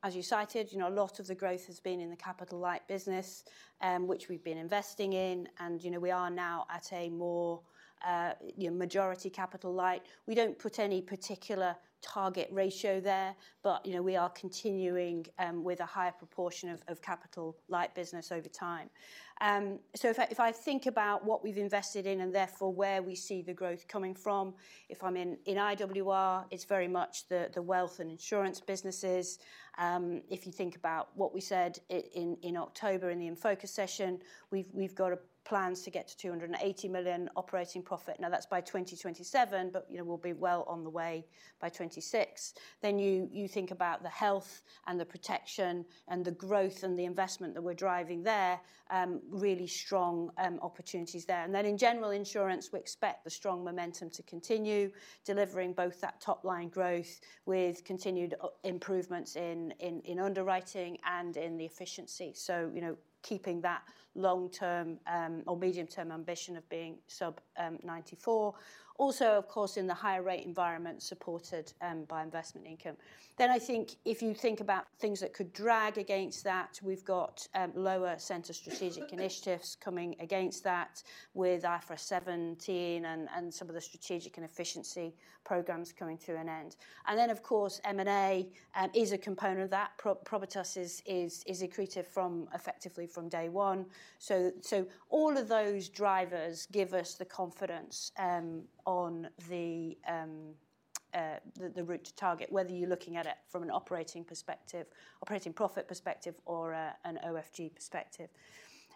as you cited, a lot of the growth has been in the capital light business, which we've been investing in. And we are now at a more majority capital light. We don't put any particular target ratio there. But we are continuing with a higher proportion of capital light business over time. So if I think about what we've invested in and therefore where we see the growth coming from, if I'm in IWR, it's very much the wealth and insurance businesses. If you think about what we said in October in the In Focus session, we've got plans to get to 280 million operating profit. Now, that's by 2027. But we'll be well on the way by 2026. Then you think about the health and the protection and the growth and the investment that we're driving there, really strong opportunities there. And then in general insurance, we expect the strong momentum to continue, delivering both that top-line growth with continued improvements in underwriting and in the efficiency, so keeping that long-term or medium-term ambition of being sub-94, also, of course, in the higher rate environment supported by investment income. Then I think if you think about things that could drag against that, we've got lower center strategic initiatives coming against that with IFRS 17 and some of the strategic and efficiency programs coming to an end. And then, of course, M&A is a component of that. Probitas is accretive effectively from day one. So all of those drivers give us the confidence on the route to target, whether you're looking at it from an operating profit perspective or an OFG perspective.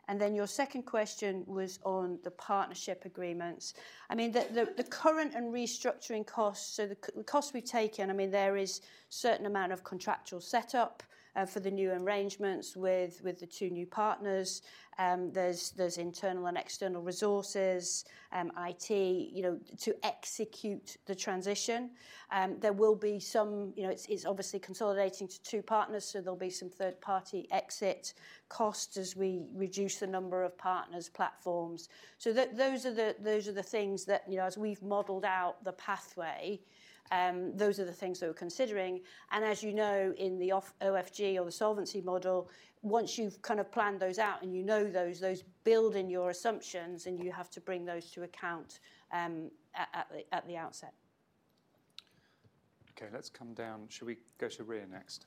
And then your second question was on the partnership agreements. I mean, the current and restructuring costs, so the costs we've taken, I mean, there is a certain amount of contractual setup for the new arrangements with the two new partners. There's internal and external resources, IT, to execute the transition. There will be some it's obviously consolidating to two partners. So there'll be some third-party exit costs as we reduce the number of partners' platforms. So those are the things that, as we've modeled out the pathway, those are the things that we're considering. And as you know, in the OFG or the solvency model, once you've kind of planned those out and you know those, those build in your assumptions. You have to bring those to account at the outset. OK. Let's come down. Should we go to Rhea next?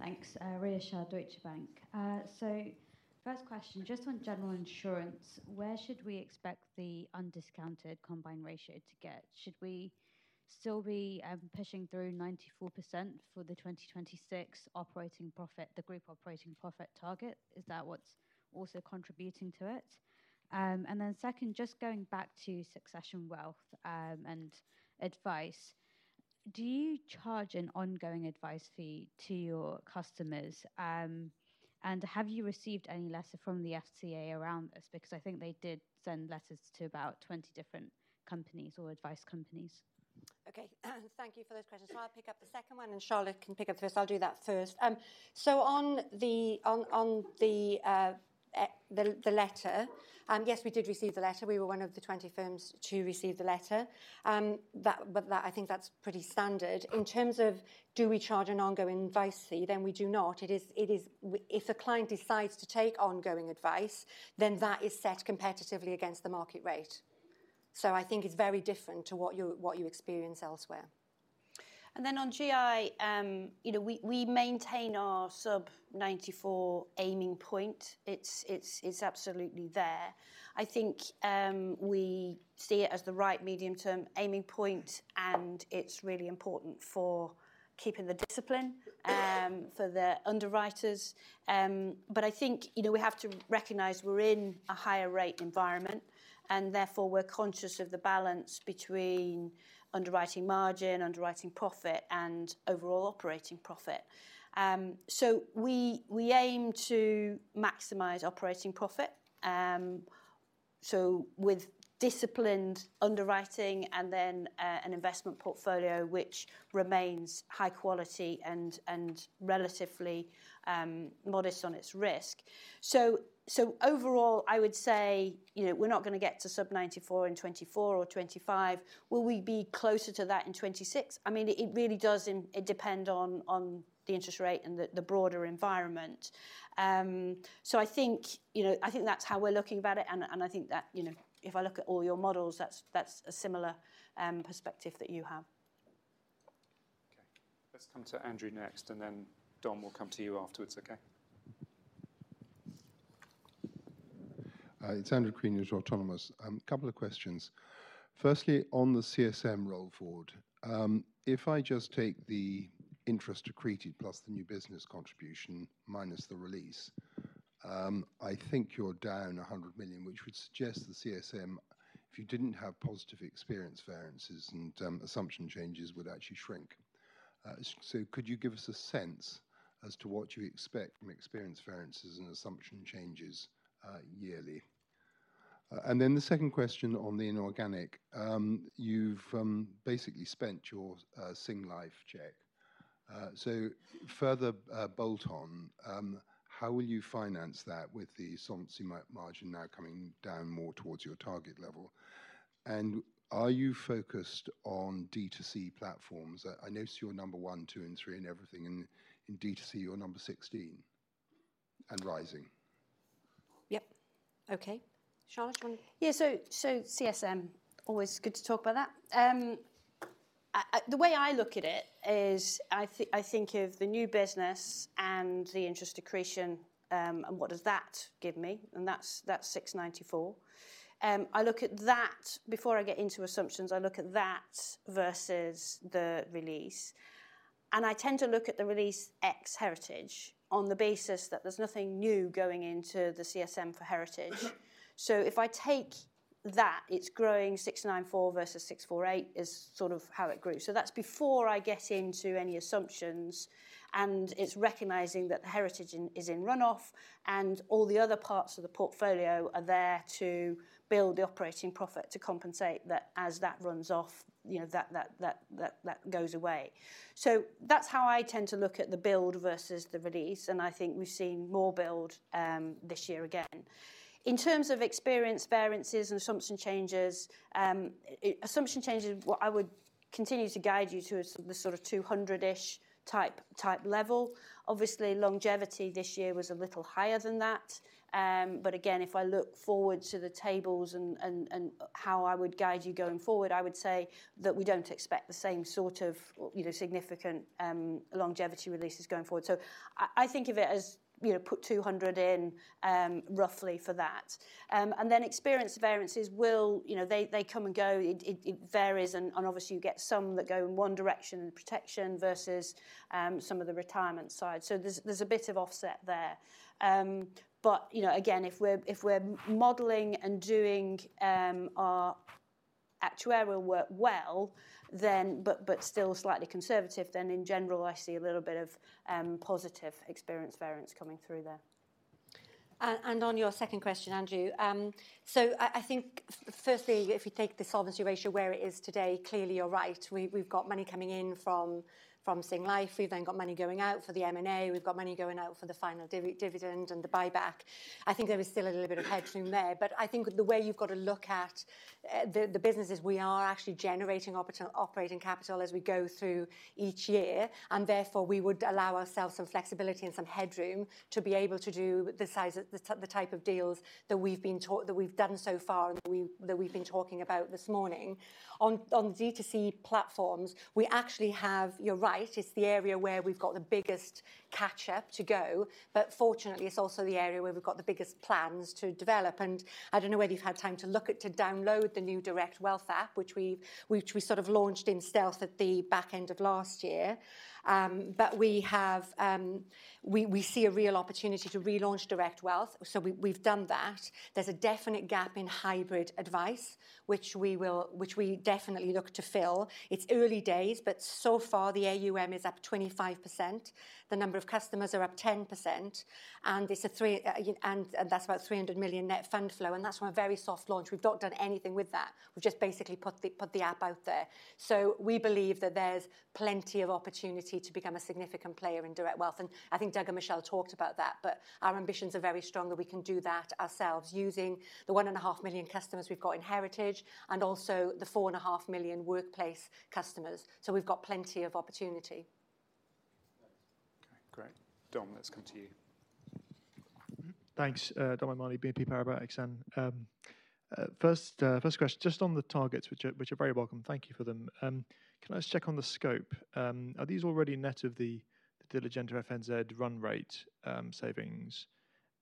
Thanks. Rhea Shah, Deutsche Bank. So first question, just on general insurance, where should we expect the undiscounted combined ratio to get? Should we still be pushing through 94% for the 2026 operating profit, the group operating profit target? Is that what's also contributing to it? And then second, just going back to Succession Wealth and Advice, do you charge an ongoing advice fee to your customers? And have you received any letter from the FCA around this? Because I think they did send letters to about 20 different companies or advice companies. OK. Thank you for those questions. So I'll pick up the second one. And Charlotte can pick up the first. I'll do that first. So on the letter, yes, we did receive the letter. We were one of the 20 firms to receive the letter. But I think that's pretty standard. In terms of do we charge an ongoing advice fee, then we do not. If a client decides to take ongoing advice, then that is set competitively against the market rate. So I think it's very different to what you experience elsewhere. On GI, we maintain our sub-94 aiming point. It's absolutely there. I think we see it as the right medium-term aiming point. It's really important for keeping the discipline for the underwriters. I think we have to recognize we're in a higher rate environment. Therefore, we're conscious of the balance between underwriting margin, underwriting profit, and overall operating profit. We aim to maximize operating profit, so with disciplined underwriting and then an investment portfolio which remains high quality and relatively modest on its risk. Overall, I would say we're not going to get to sub-94 in 2024 or 2025. Will we be closer to that in 2026? I mean, it really does depend on the interest rate and the broader environment. I think that's how we're looking about it. I think that if I look at all your models, that's a similar perspective that you have. OK. Let's come to Andrew next. Then Dom will come to you afterwards, OK? It's Andrew Crean, Autonomous Research. A couple of questions. Firstly, on the CSM roll forward, if I just take the interest accreted plus the new business contribution minus the release, I think you're down $100 million, which would suggest the CSM, if you didn't have positive experience variances and assumption changes, would actually shrink. So could you give us a sense as to what you expect from experience variances and assumption changes yearly? And then the second question on the inorganic, you've basically spent your Singlife check. So further bolt on, how will you finance that with the solvency margin now coming down more towards your target level? And are you focused on D2C platforms? I noticed you're number one, two, and three in everything. And in D2C, you're number 16 and rising. Yep. OK. Charlotte, do you want to? Yeah. So CSM, always good to talk about that. The way I look at it is I think of the new business and the interest accretion and what does that give me? And that's 694. I look at that before I get into assumptions. I look at that versus the release. And I tend to look at the release ex-heritage on the basis that there's nothing new going into the CSM for heritage. So if I take that, it's growing 694 versus 648 is sort of how it grew. So that's before I get into any assumptions. And it's recognizing that the heritage is in runoff. And all the other parts of the portfolio are there to build the operating profit to compensate that as that runs off, that goes away. So that's how I tend to look at the build versus the release. I think we've seen more build this year again. In terms of experience variances and assumption changes, assumption changes, what I would continue to guide you to is the sort of 200-ish type level. Obviously, longevity this year was a little higher than that. Again, if I look forward to the tables and how I would guide you going forward, I would say that we don't expect the same sort of significant longevity releases going forward. I think of it as put 200 in roughly for that. Then experience variances, they come and go. It varies. Obviously, you get some that go in one direction, protection, versus some of the retirement side. There's a bit of offset there. But again, if we're modeling and doing our actuarial work well, but still slightly conservative, then in general, I see a little bit of positive experience variance coming through there. On your second question, Andrew, so I think firstly, if you take the solvency ratio where it is today, clearly you're right. We've got money coming in from Singlife. We've then got money going out for the M&A. We've got money going out for the final dividend and the buyback. I think there is still a little bit of headroom there. But I think the way you've got to look at the business is we are actually generating operating capital as we go through each year. And therefore, we would allow ourselves some flexibility and some headroom to be able to do the type of deals that we've done so far and that we've been talking about this morning. On the D2C platforms, we actually have, you're right. It's the area where we've got the biggest catch-up to go. But fortunately, it's also the area where we've got the biggest plans to develop. And I don't know whether you've had time to look at to download the new Direct Wealth app, which we sort of launched in stealth at the back end of last year. But we see a real opportunity to relaunch Direct Wealth. So we've done that. There's a definite gap in hybrid advice, which we definitely look to fill. It's early days. But so far, the AUM is up 25%. The number of customers are up 10%. And that's about $300 million net fund flow. And that's from a very soft launch. We've not done anything with that. We've just basically put the app out there. So we believe that there's plenty of opportunity to become a significant player in Direct Wealth. And I think Doug and Michele talked about that. But our ambitions are very strong that we can do that ourselves using the 1.5 million customers we've got in heritage and also the 4.5 million workplace customers. So we've got plenty of opportunity. OK. Great. Dom, let's come to you. Thanks. Dominic O'Mahony, BNP Paribas Exane. First question, just on the targets, which are very welcome. Thank you for them. Can I just check on the scope? Are these already net of the Diligenta FNZ run rate savings?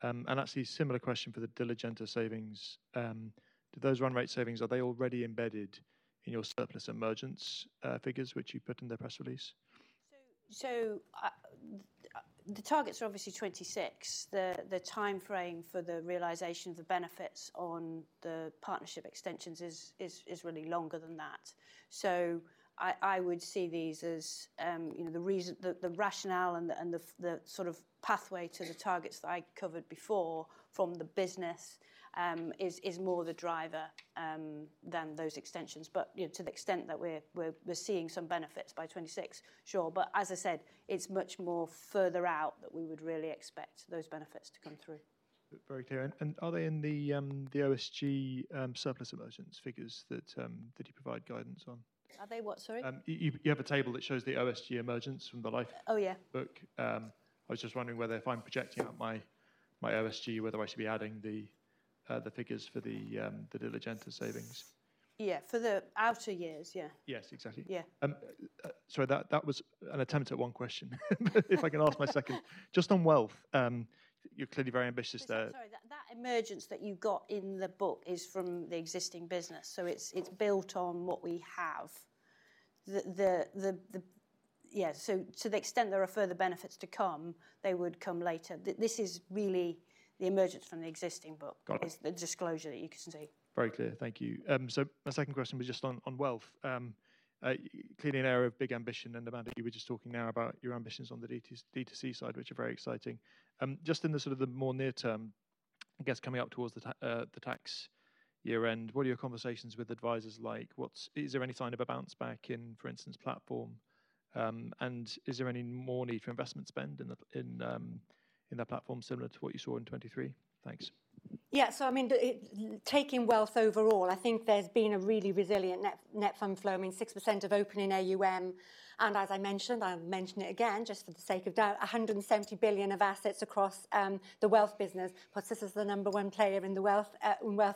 And actually, similar question for the Diligenta savings. Do those run rate savings already embedded in your surplus emergence figures, which you put in the press release? So the targets are obviously 2026. The time frame for the realization of the benefits on the partnership extensions is really longer than that. So I would see these as the rationale and the sort of pathway to the targets that I covered before from the business is more the driver than those extensions. But to the extent that we're seeing some benefits by 2026, sure. But as I said, it's much more further out that we would really expect those benefits to come through. Very clear. Are they in the OFG surplus emergence figures that you provide guidance on? Are they what, sorry? You have a table that shows the OFG emergence from the life book. Oh, yeah. I was just wondering whether if I'm projecting out my OFG, whether I should be adding the figures for the Diligenta savings? Yeah. For the outer years, yeah. Yes, exactly. Yeah. Sorry. That was an attempt at one question. If I can ask my second. Just on wealth, you're clearly very ambitious there. Sorry. That emergence that you've got in the book is from the existing business. So it's built on what we have. Yeah. So to the extent there are further benefits to come, they would come later. This is really the emergence from the existing book is the disclosure that you can see. Got it. Very clear. Thank you. So my second question was just on wealth, clearly an area of big ambition. And Amanda, you were just talking now about your ambitions on the D2C side, which are very exciting. Just in the sort of more near term, I guess coming up towards the tax year end, what are your conversations with advisors like? Is there any sign of a bounce back in, for instance, platform? And is there any more need for investment spend in that platform similar to what you saw in 2023? Thanks. Yeah. So I mean, taking wealth overall, I think there's been a really resilient net fund flow. I mean, 6% of opening AUM. And as I mentioned, I'll mention it again just for the sake of doubt, $170 billion of assets across the wealth business. Plus, this is the number one player in wealth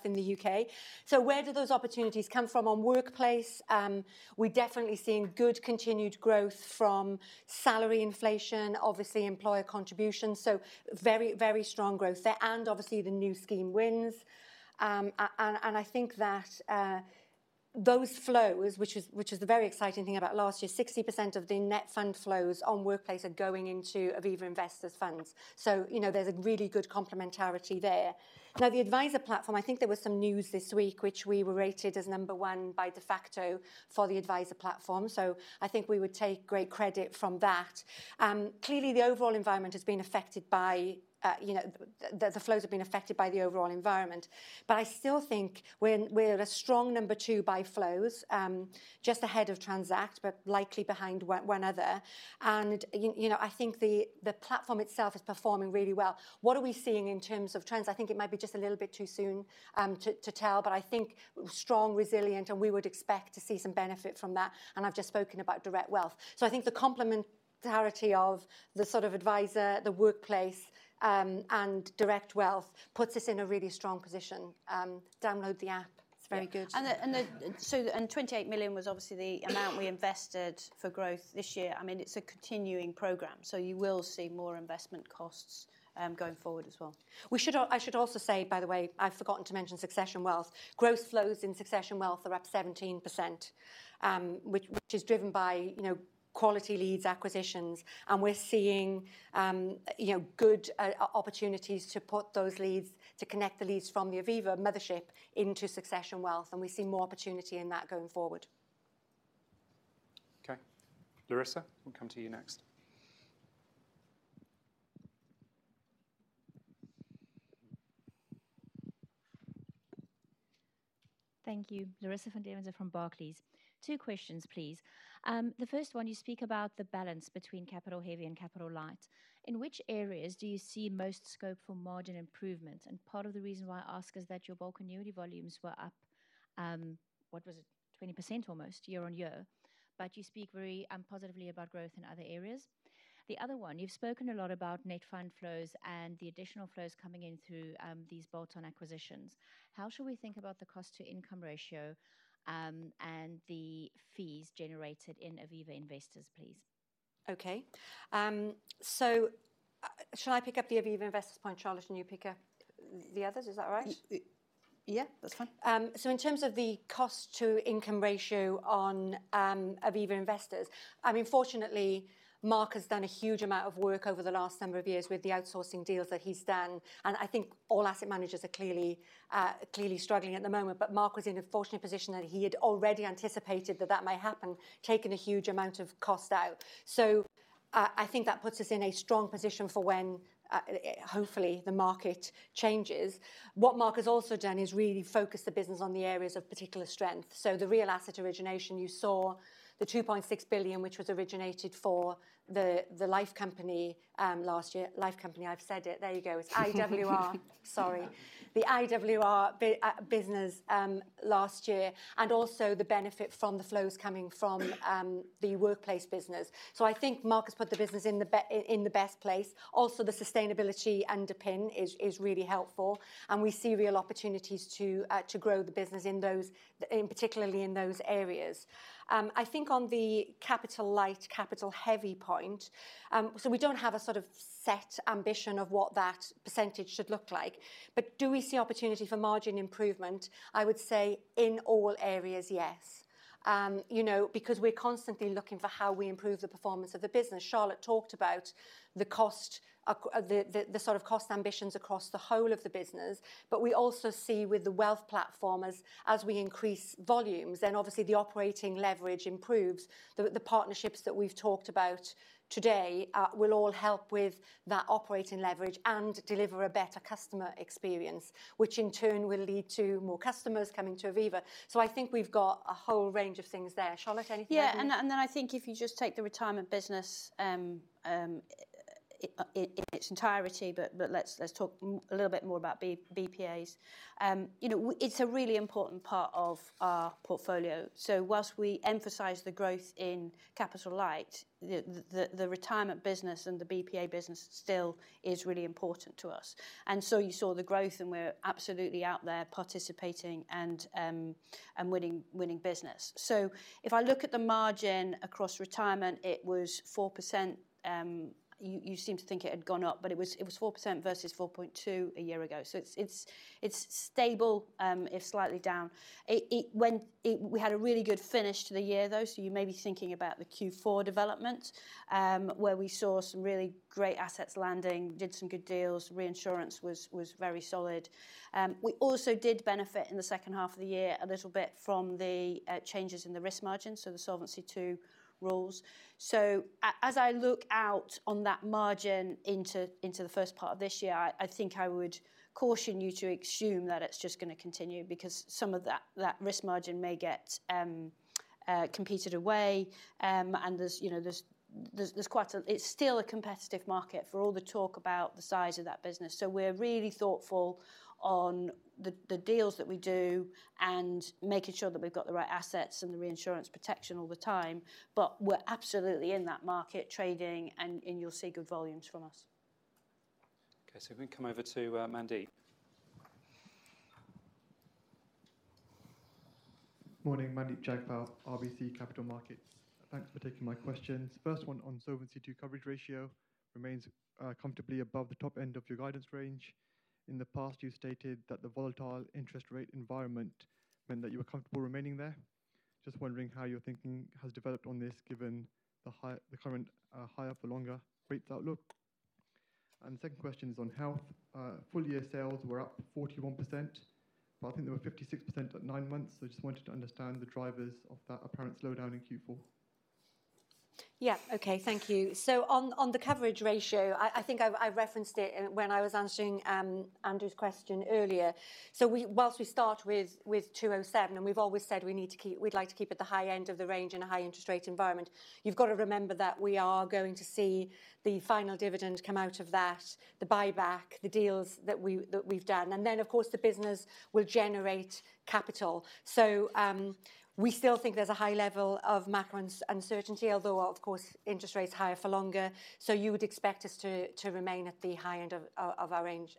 in the U.K. So where do those opportunities come from? On workplace, we're definitely seeing good continued growth from salary inflation, obviously employer contributions. So very, very strong growth there. And obviously, the new scheme wins. And I think that those flows, which is the very exciting thing about last year, 60% of the net fund flows on workplace are going into Aviva Investors funds. So there's a really good complementarity there. Now, the advisor platform, I think there was some news this week, which we were rated as number one by Defaqto for the advisor platform. So I think we would take great credit from that. Clearly, the overall environment has been affected by the flows have been affected by the overall environment. But I still think we're a strong number two by flows, just ahead of Transact, but likely behind one other. And I think the platform itself is performing really well. What are we seeing in terms of trends? I think it might be just a little bit too soon to tell. But I think strong, resilient. And we would expect to see some benefit from that. And I've just spoken about Direct Wealth. So I think the complementarity of the sort of advisor, the workplace, and Direct Wealth puts us in a really strong position. Download the app. It's very good. 28 million was obviously the amount we invested for growth this year. I mean, it's a continuing program. So you will see more investment costs going forward as well. I should also say, by the way, I've forgotten to mention Succession Wealth. Growth flows in Succession Wealth are up 17%, which is driven by quality leads, acquisitions. And we're seeing good opportunities to put those leads, to connect the leads from the Aviva mothership into Succession Wealth. And we see more opportunity in that going forward. OK. Larissa, we'll come to you next. Thank you. Larissa van Deventer from Barclays. Two questions, please. The first one, you speak about the balance between capital heavy and capital light. In which areas do you see most scope for margin improvement? And part of the reason why I ask is that your bulk annuity volumes were up, what was it, 20% almost year-on-year. But you speak very positively about growth in other areas. The other one, you've spoken a lot about net fund flows and the additional flows coming in through these bolt-on acquisitions. How should we think about the cost to income ratio and the fees generated in Aviva Investors, please? OK. So shall I pick up the Aviva Investors point, Charlotte, and you pick up the others? Is that right? Yeah. That's fine. So in terms of the cost to income ratio on Aviva Investors, I mean, fortunately, Mark has done a huge amount of work over the last number of years with the outsourcing deals that he's done. And I think all asset managers are clearly struggling at the moment. But Mark was in a fortunate position that he had already anticipated that that might happen, taking a huge amount of cost out. So I think that puts us in a strong position for when, hopefully, the market changes. What Mark has also done is really focus the business on the areas of particular strength. So the real asset origination, you saw the $2.6 billion, which was originated for the Life Company last year. Life Company, I've said it. There you go. It's IWR. Sorry. The IWR business last year and also the benefit from the flows coming from the workplace business. I think Mark has put the business in the best place. Also, the sustainability underpin is really helpful. We see real opportunities to grow the business particularly in those areas. I think on the capital light, capital heavy point, so we don't have a sort of set ambition of what that percentage should look like. But do we see opportunity for margin improvement? I would say in all areas, yes, because we're constantly looking for how we improve the performance of the business. Charlotte talked about the sort of cost ambitions across the whole of the business. But we also see with the wealth platform, as we increase volumes, then obviously, the operating leverage improves. The partnerships that we've talked about today will all help with that operating leverage and deliver a better customer experience, which in turn will lead to more customers coming to Aviva. I think we've got a whole range of things there. Charlotte, anything? Yeah. And then I think if you just take the retirement business in its entirety, but let's talk a little bit more about BPAs, it's a really important part of our portfolio. So while we emphasize the growth in capital light, the retirement business and the BPA business still is really important to us. And so you saw the growth. And we're absolutely out there participating and winning business. So if I look at the margin across retirement, it was 4%. You seem to think it had gone up. But it was 4% versus 4.2% a year ago. So it's stable, if slightly down. We had a really good finish to the year, though. So you may be thinking about the Q4 development, where we saw some really great assets landing, did some good deals. Reinsurance was very solid. We also did benefit in the second half of the year a little bit from the changes in the risk margin, so the Solvency II rules. So as I look out on that margin into the first part of this year, I think I would caution you to assume that it's just going to continue because some of that risk margin may get competed away. And there's quite a. It's still a competitive market for all the talk about the size of that business. So we're really thoughtful on the deals that we do and making sure that we've got the right assets and the reinsurance protection all the time. But we're absolutely in that market trading. And you'll see good volumes from us. OK. So we can come over to Mandy. Morning. Mandeep Jagpal, RBC Capital Markets. Thanks for taking my questions. First one on Solvency coverage ratio, remains comfortably above the top end of your guidance range. In the past, you stated that the volatile interest rate environment meant that you were comfortable remaining there. Just wondering how your thinking has developed on this given the current higher for longer rates outlook. And the second question is on health. Full year sales were up 41%. But I think they were 56% at 9 months. So I just wanted to understand the drivers of that apparent slowdown in Q4. Yeah. OK. Thank you. So on the coverage ratio, I think I referenced it when I was answering Andrew's question earlier. So whilst we start with 207, and we've always said we'd like to keep at the high end of the range in a high interest rate environment, you've got to remember that we are going to see the final dividend come out of that, the buyback, the deals that we've done. And then, of course, the business will generate capital. So we still think there's a high level of macro uncertainty, although, of course, interest rates higher for longer. So you would expect us to remain at the high end of our range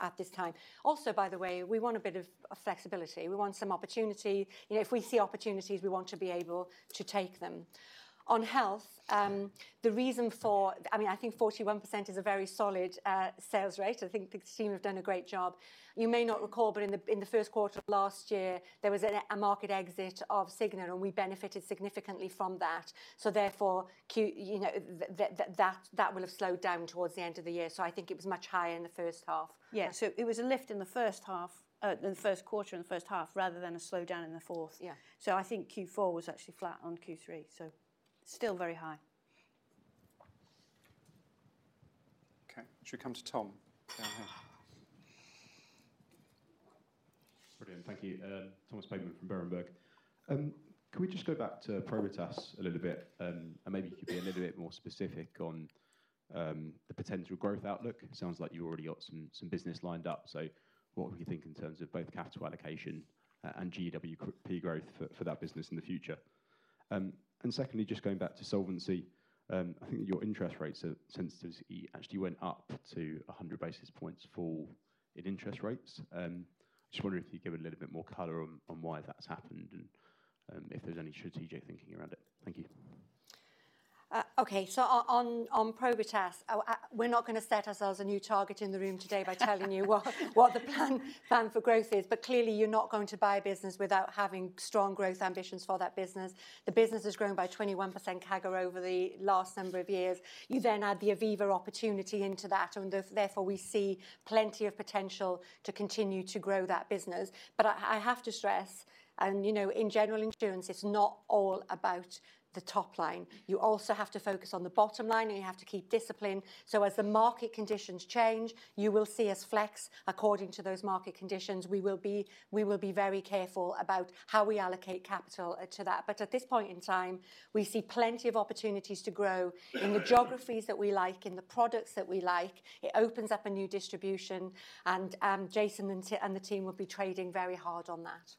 at this time. Also, by the way, we want a bit of flexibility. We want some opportunity. If we see opportunities, we want to be able to take them. On health, the reason for, I mean, I think 41% is a very solid sales rate. I think the team have done a great job. You may not recall, but in the first quarter of last year, there was a market exit of Cigna. We benefited significantly from that. Therefore, that will have slowed down towards the end of the year. So I think it was much higher in the first half. Yeah. So it was a lift in the first half, in the first quarter, in the first half rather than a slowdown in the fourth. So I think Q4 was actually flat on Q3, so still very high. OK. Should we come to Tom down here? Brilliant. Thank you. Thomas Bateman from Berenberg. Can we just go back to Probitas a little bit? And maybe you could be a little bit more specific on the potential growth outlook. Sounds like you've already got some business lined up. So what are we thinking in terms of both capital allocation and GWP growth for that business in the future? And secondly, just going back to solvency, I think your interest rates sensitivity actually went up to 100 basis points for in interest rates. I just wonder if you could give a little bit more color on why that's happened and if there's any strategic thinking around it. Thank you. OK. So on Probitas, we're not going to set ourselves a new target in the room today by telling you what the plan for growth is. But clearly, you're not going to buy a business without having strong growth ambitions for that business. The business has grown by 21% CAGR over the last number of years. You then add the Aviva opportunity into that. And therefore, we see plenty of potential to continue to grow that business. But I have to stress, and in general insurance, it's not all about the top line. You also have to focus on the bottom line. And you have to keep discipline. So as the market conditions change, you will see us flex according to those market conditions. We will be very careful about how we allocate capital to that. But at this point in time, we see plenty of opportunities to grow in the geographies that we like, in the products that we like. It opens up a new distribution. And Jason and the team will be trading very hard on that.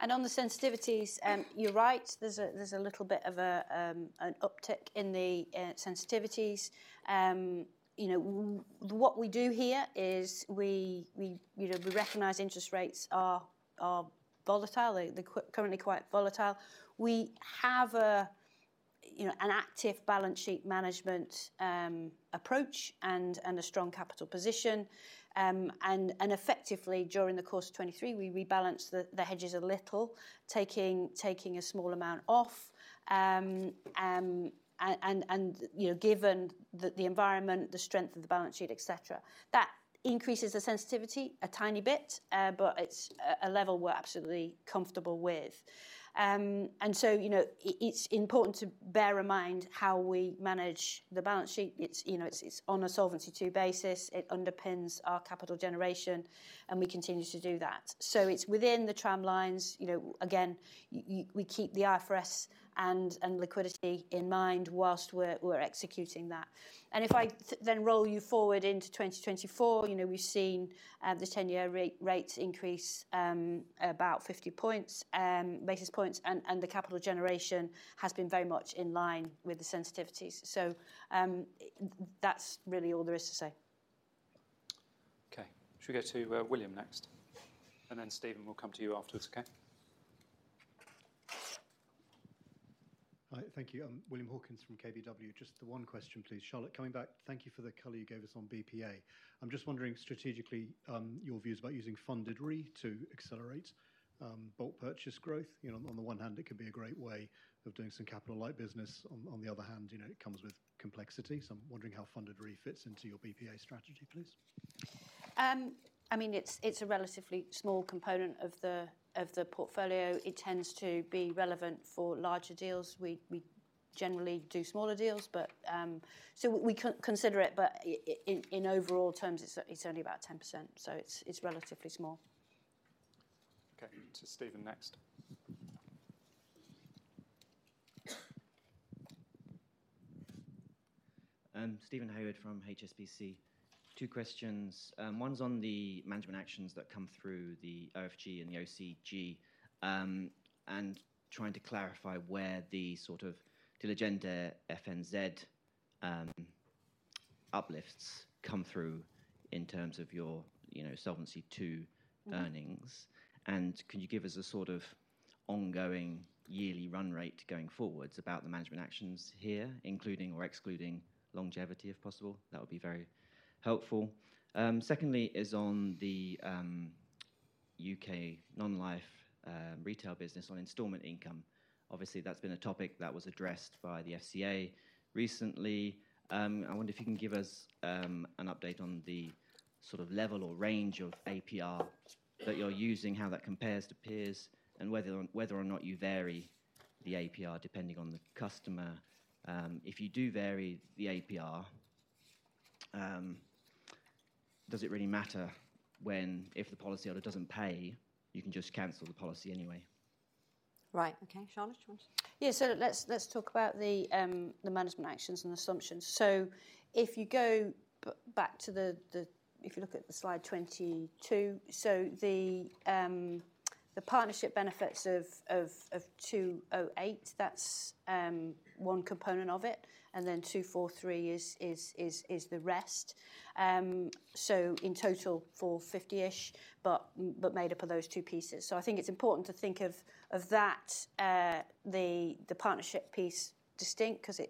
On the sensitivities, you're right. There's a little bit of an uptick in the sensitivities. What we do here is we recognize interest rates are volatile, currently quite volatile. We have an active balance sheet management approach and a strong capital position. And effectively, during the course of 2023, we rebalanced the hedges a little, taking a small amount off given the environment, the strength of the balance sheet, et cetera. That increases the sensitivity a tiny bit. But it's a level we're absolutely comfortable with. And so it's important to bear in mind how we manage the balance sheet. It's on a Solvency II basis. It underpins our capital generation. And we continue to do that. So it's within the tramlines. Again, we keep the IFRS and liquidity in mind while we're executing that. If I then roll you forward into 2024, we've seen the 10-year rate increase about 50 basis points. The capital generation has been very much in line with the sensitivities. That's really all there is to say. OK. Should we go to William next? Then Stephen will come to you afterwards, OK? Hi. Thank you. I'm William Hawkins from KBW. Just the one question, please. Charlotte, coming back, thank you for the color you gave us on BPA. I'm just wondering, strategically, your views about using funded re's to accelerate bulk purchase growth. On the one hand, it could be a great way of doing some capital light business. On the other hand, it comes with complexity. So I'm wondering how funded re's fits into your BPA strategy, please. I mean, it's a relatively small component of the portfolio. It tends to be relevant for larger deals. We generally do smaller deals. So we consider it. But in overall terms, it's only about 10%. So it's relatively small. OK. To Stephen next. Steven Howard from HSBC. Two questions. One's on the management actions that come through the OFG and the OCG and trying to clarify where the sort of Diligenta FNZ uplifts come through in terms of your Solvency II earnings. Can you give us a sort of ongoing yearly run rate going forwards about the management actions here, including or excluding longevity, if possible? That would be very helpful. Secondly, is on the UK non-life retail business, on installment income. Obviously, that's been a topic that was addressed by the FCA recently. I wonder if you can give us an update on the sort of level or range of APR that you're using, how that compares to peers, and whether or not you vary the APR depending on the customer. If you do vary the APR, does it really matter when, if the policyholder doesn't pay, you can just cancel the policy anyway? Right. OK. Charlotte, do you want to? Yeah. So let's talk about the management actions and assumptions. So if you go back to, if you look at slide 22, so the partnership benefits of 208 million, that's one component of it. And then 243 million is the rest, so in total 450 million-ish but made up of those two pieces. So I think it's important to think of that, the partnership piece, distinct because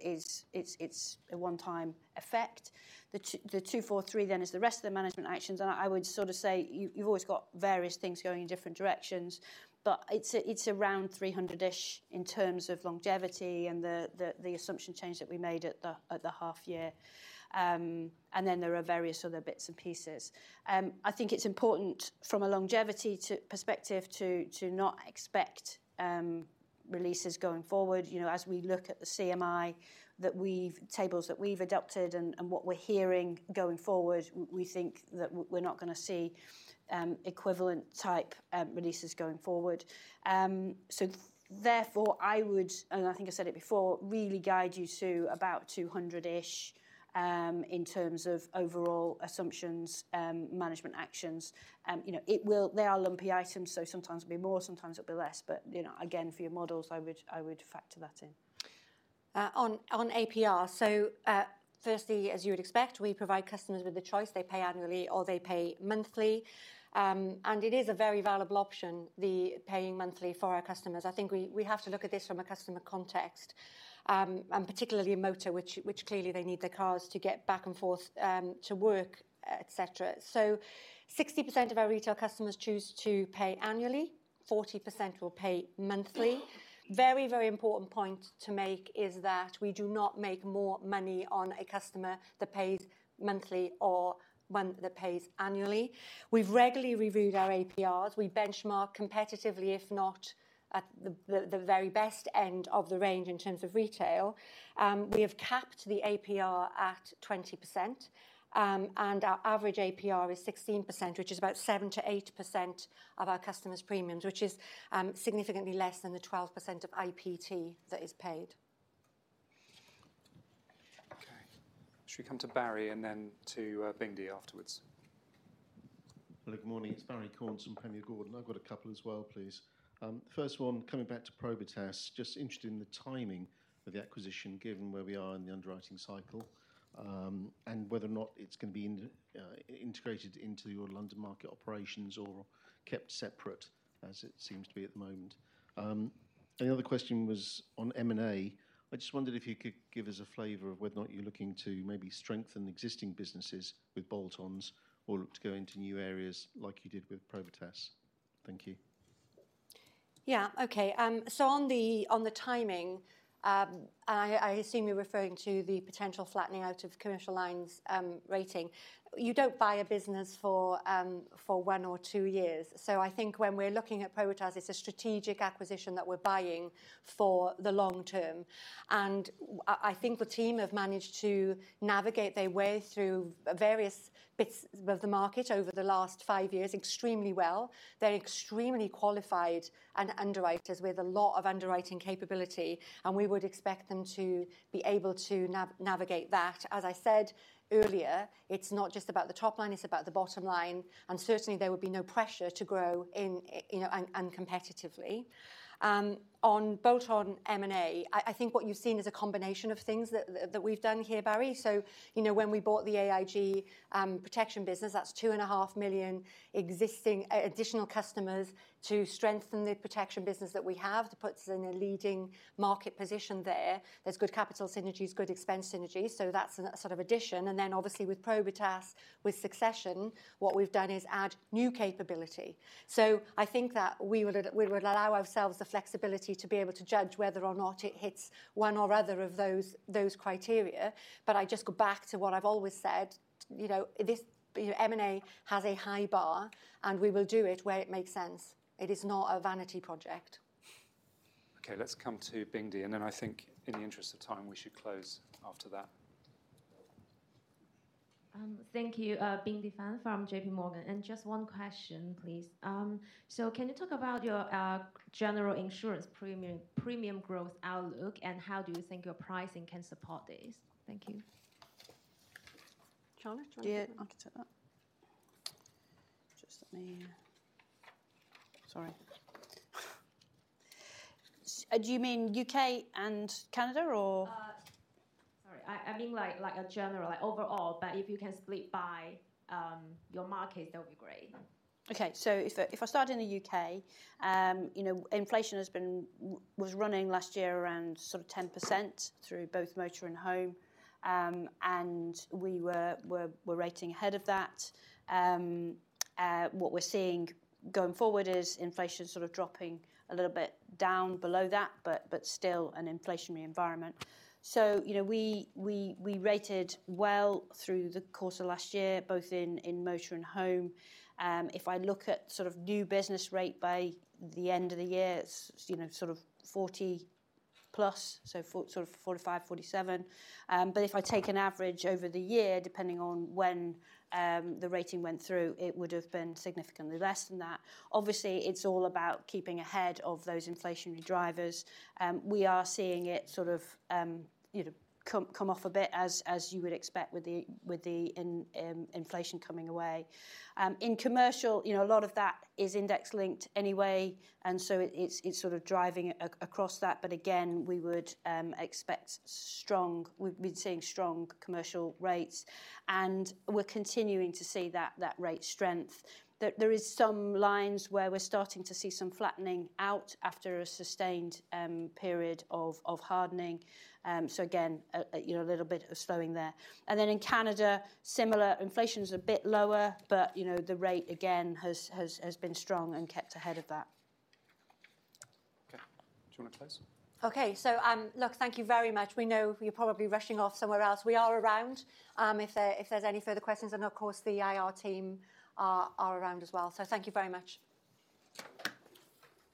it's a one-time effect. The 243 million then is the rest of the management actions. And I would sort of say you've always got various things going in different directions. But it's around 300 million-ish in terms of longevity and the assumption change that we made at the half year. And then there are various other bits and pieces. I think it's important from a longevity perspective to not expect releases going forward. As we look at the CMI, the tables that we've adopted, and what we're hearing going forward, we think that we're not going to see equivalent type releases going forward. So therefore, I would, and I think I said it before, really guide you to about 200-ish in terms of overall assumptions, management actions. They are lumpy items. So sometimes it'll be more. Sometimes it'll be less. But again, for your models, I would factor that in. On APR, so firstly, as you would expect, we provide customers with the choice. They pay annually or they pay monthly. And it is a very valuable option, the paying monthly, for our customers. I think we have to look at this from a customer context, and particularly in motor, which clearly they need their cars to get back and forth to work, et cetera. So 60% of our retail customers choose to pay annually. 40% will pay monthly. Very, very important point to make is that we do not make more money on a customer that pays monthly or one that pays annually. We've regularly reviewed our APRs. We benchmark competitively, if not at the very best end of the range in terms of retail. We have capped the APR at 20%. Our average APR is 16%, which is about 7%-8% of our customers' premiums, which is significantly less than the 12% of IPT that is paid. OK. Should we come to Barrie and then to Bingjie afterwards? Well, good morning. It's Barrie Cornes from Panmure Gordon. I've got a couple as well, please. First one, coming back to Probitas, just interested in the timing of the acquisition given where we are in the underwriting cycle and whether or not it's going to be integrated into your London market operations or kept separate, as it seems to be at the moment. And the other question was on M&A. I just wondered if you could give us a flavor of whether or not you're looking to maybe strengthen existing businesses with bolt-ons or look to go into new areas like you did with Probitas. Thank you. Yeah. OK. So on the timing, and I assume you're referring to the potential flattening out of commercial lines rating, you don't buy a business for one or two years. So I think when we're looking at Probitas, it's a strategic acquisition that we're buying for the long term. And I think the team have managed to navigate their way through various bits of the market over the last five years extremely well. They're extremely qualified underwriters with a lot of underwriting capability. And we would expect them to be able to navigate that. As I said earlier, it's not just about the top line. It's about the bottom line. And certainly, there would be no pressure to grow uncompetitively. On bolt-on M&A, I think what you've seen is a combination of things that we've done here, Barrie. So when we bought the AIG protection business, that's 2.5 million additional customers to strengthen the protection business that we have, to put us in a leading market position there. There's good capital synergies, good expense synergies. So that's a sort of addition. And then obviously, with Probitas, with Succession, what we've done is add new capability. So I think that we would allow ourselves the flexibility to be able to judge whether or not it hits one or other of those criteria. But I just go back to what I've always said. M&A has a high bar. And we will do it where it makes sense. It is not a vanity project. Okay. Let's come to Bingjie. Then I think, in the interest of time, we should close after that. Thank you. Bingjie Chen from J.P. Morgan. And just one question, please. So can you talk about your general insurance premium growth outlook? And how do you think your pricing can support this? Thank you. Charlotte, do you want to do that? Yeah. I can take that. Just let me sorry. Do you mean UK and Canada, or? Sorry. I mean like a general, like overall. But if you can split by your markets, that would be great. OK. So if I start in the UK, inflation was running last year around sort of 10% through both motor and home. We were rating ahead of that. What we're seeing going forward is inflation sort of dropping a little bit down below that but still an inflationary environment. We rated well through the course of last year, both in motor and home. If I look at sort of new business rate by the end of the year, it's sort of 40+, so sort of 45, 47. If I take an average over the year, depending on when the rating went through, it would have been significantly less than that. Obviously, it's all about keeping ahead of those inflationary drivers. We are seeing it sort of come off a bit, as you would expect, with the inflation coming away. In commercial, a lot of that is index-linked anyway. So it's sort of driving across that. But again, we would expect strong. We've been seeing strong commercial rates. And we're continuing to see that rate strength. There are some lines where we're starting to see some flattening out after a sustained period of hardening. So again, a little bit of slowing there. Then in Canada, similar. Inflation is a bit lower. But the rate, again, has been strong and kept ahead of that. OK. Do you want to close? OK. So look, thank you very much. We know you're probably rushing off somewhere else. We are around if there's any further questions. And of course, the IR team are around as well. So thank you very much.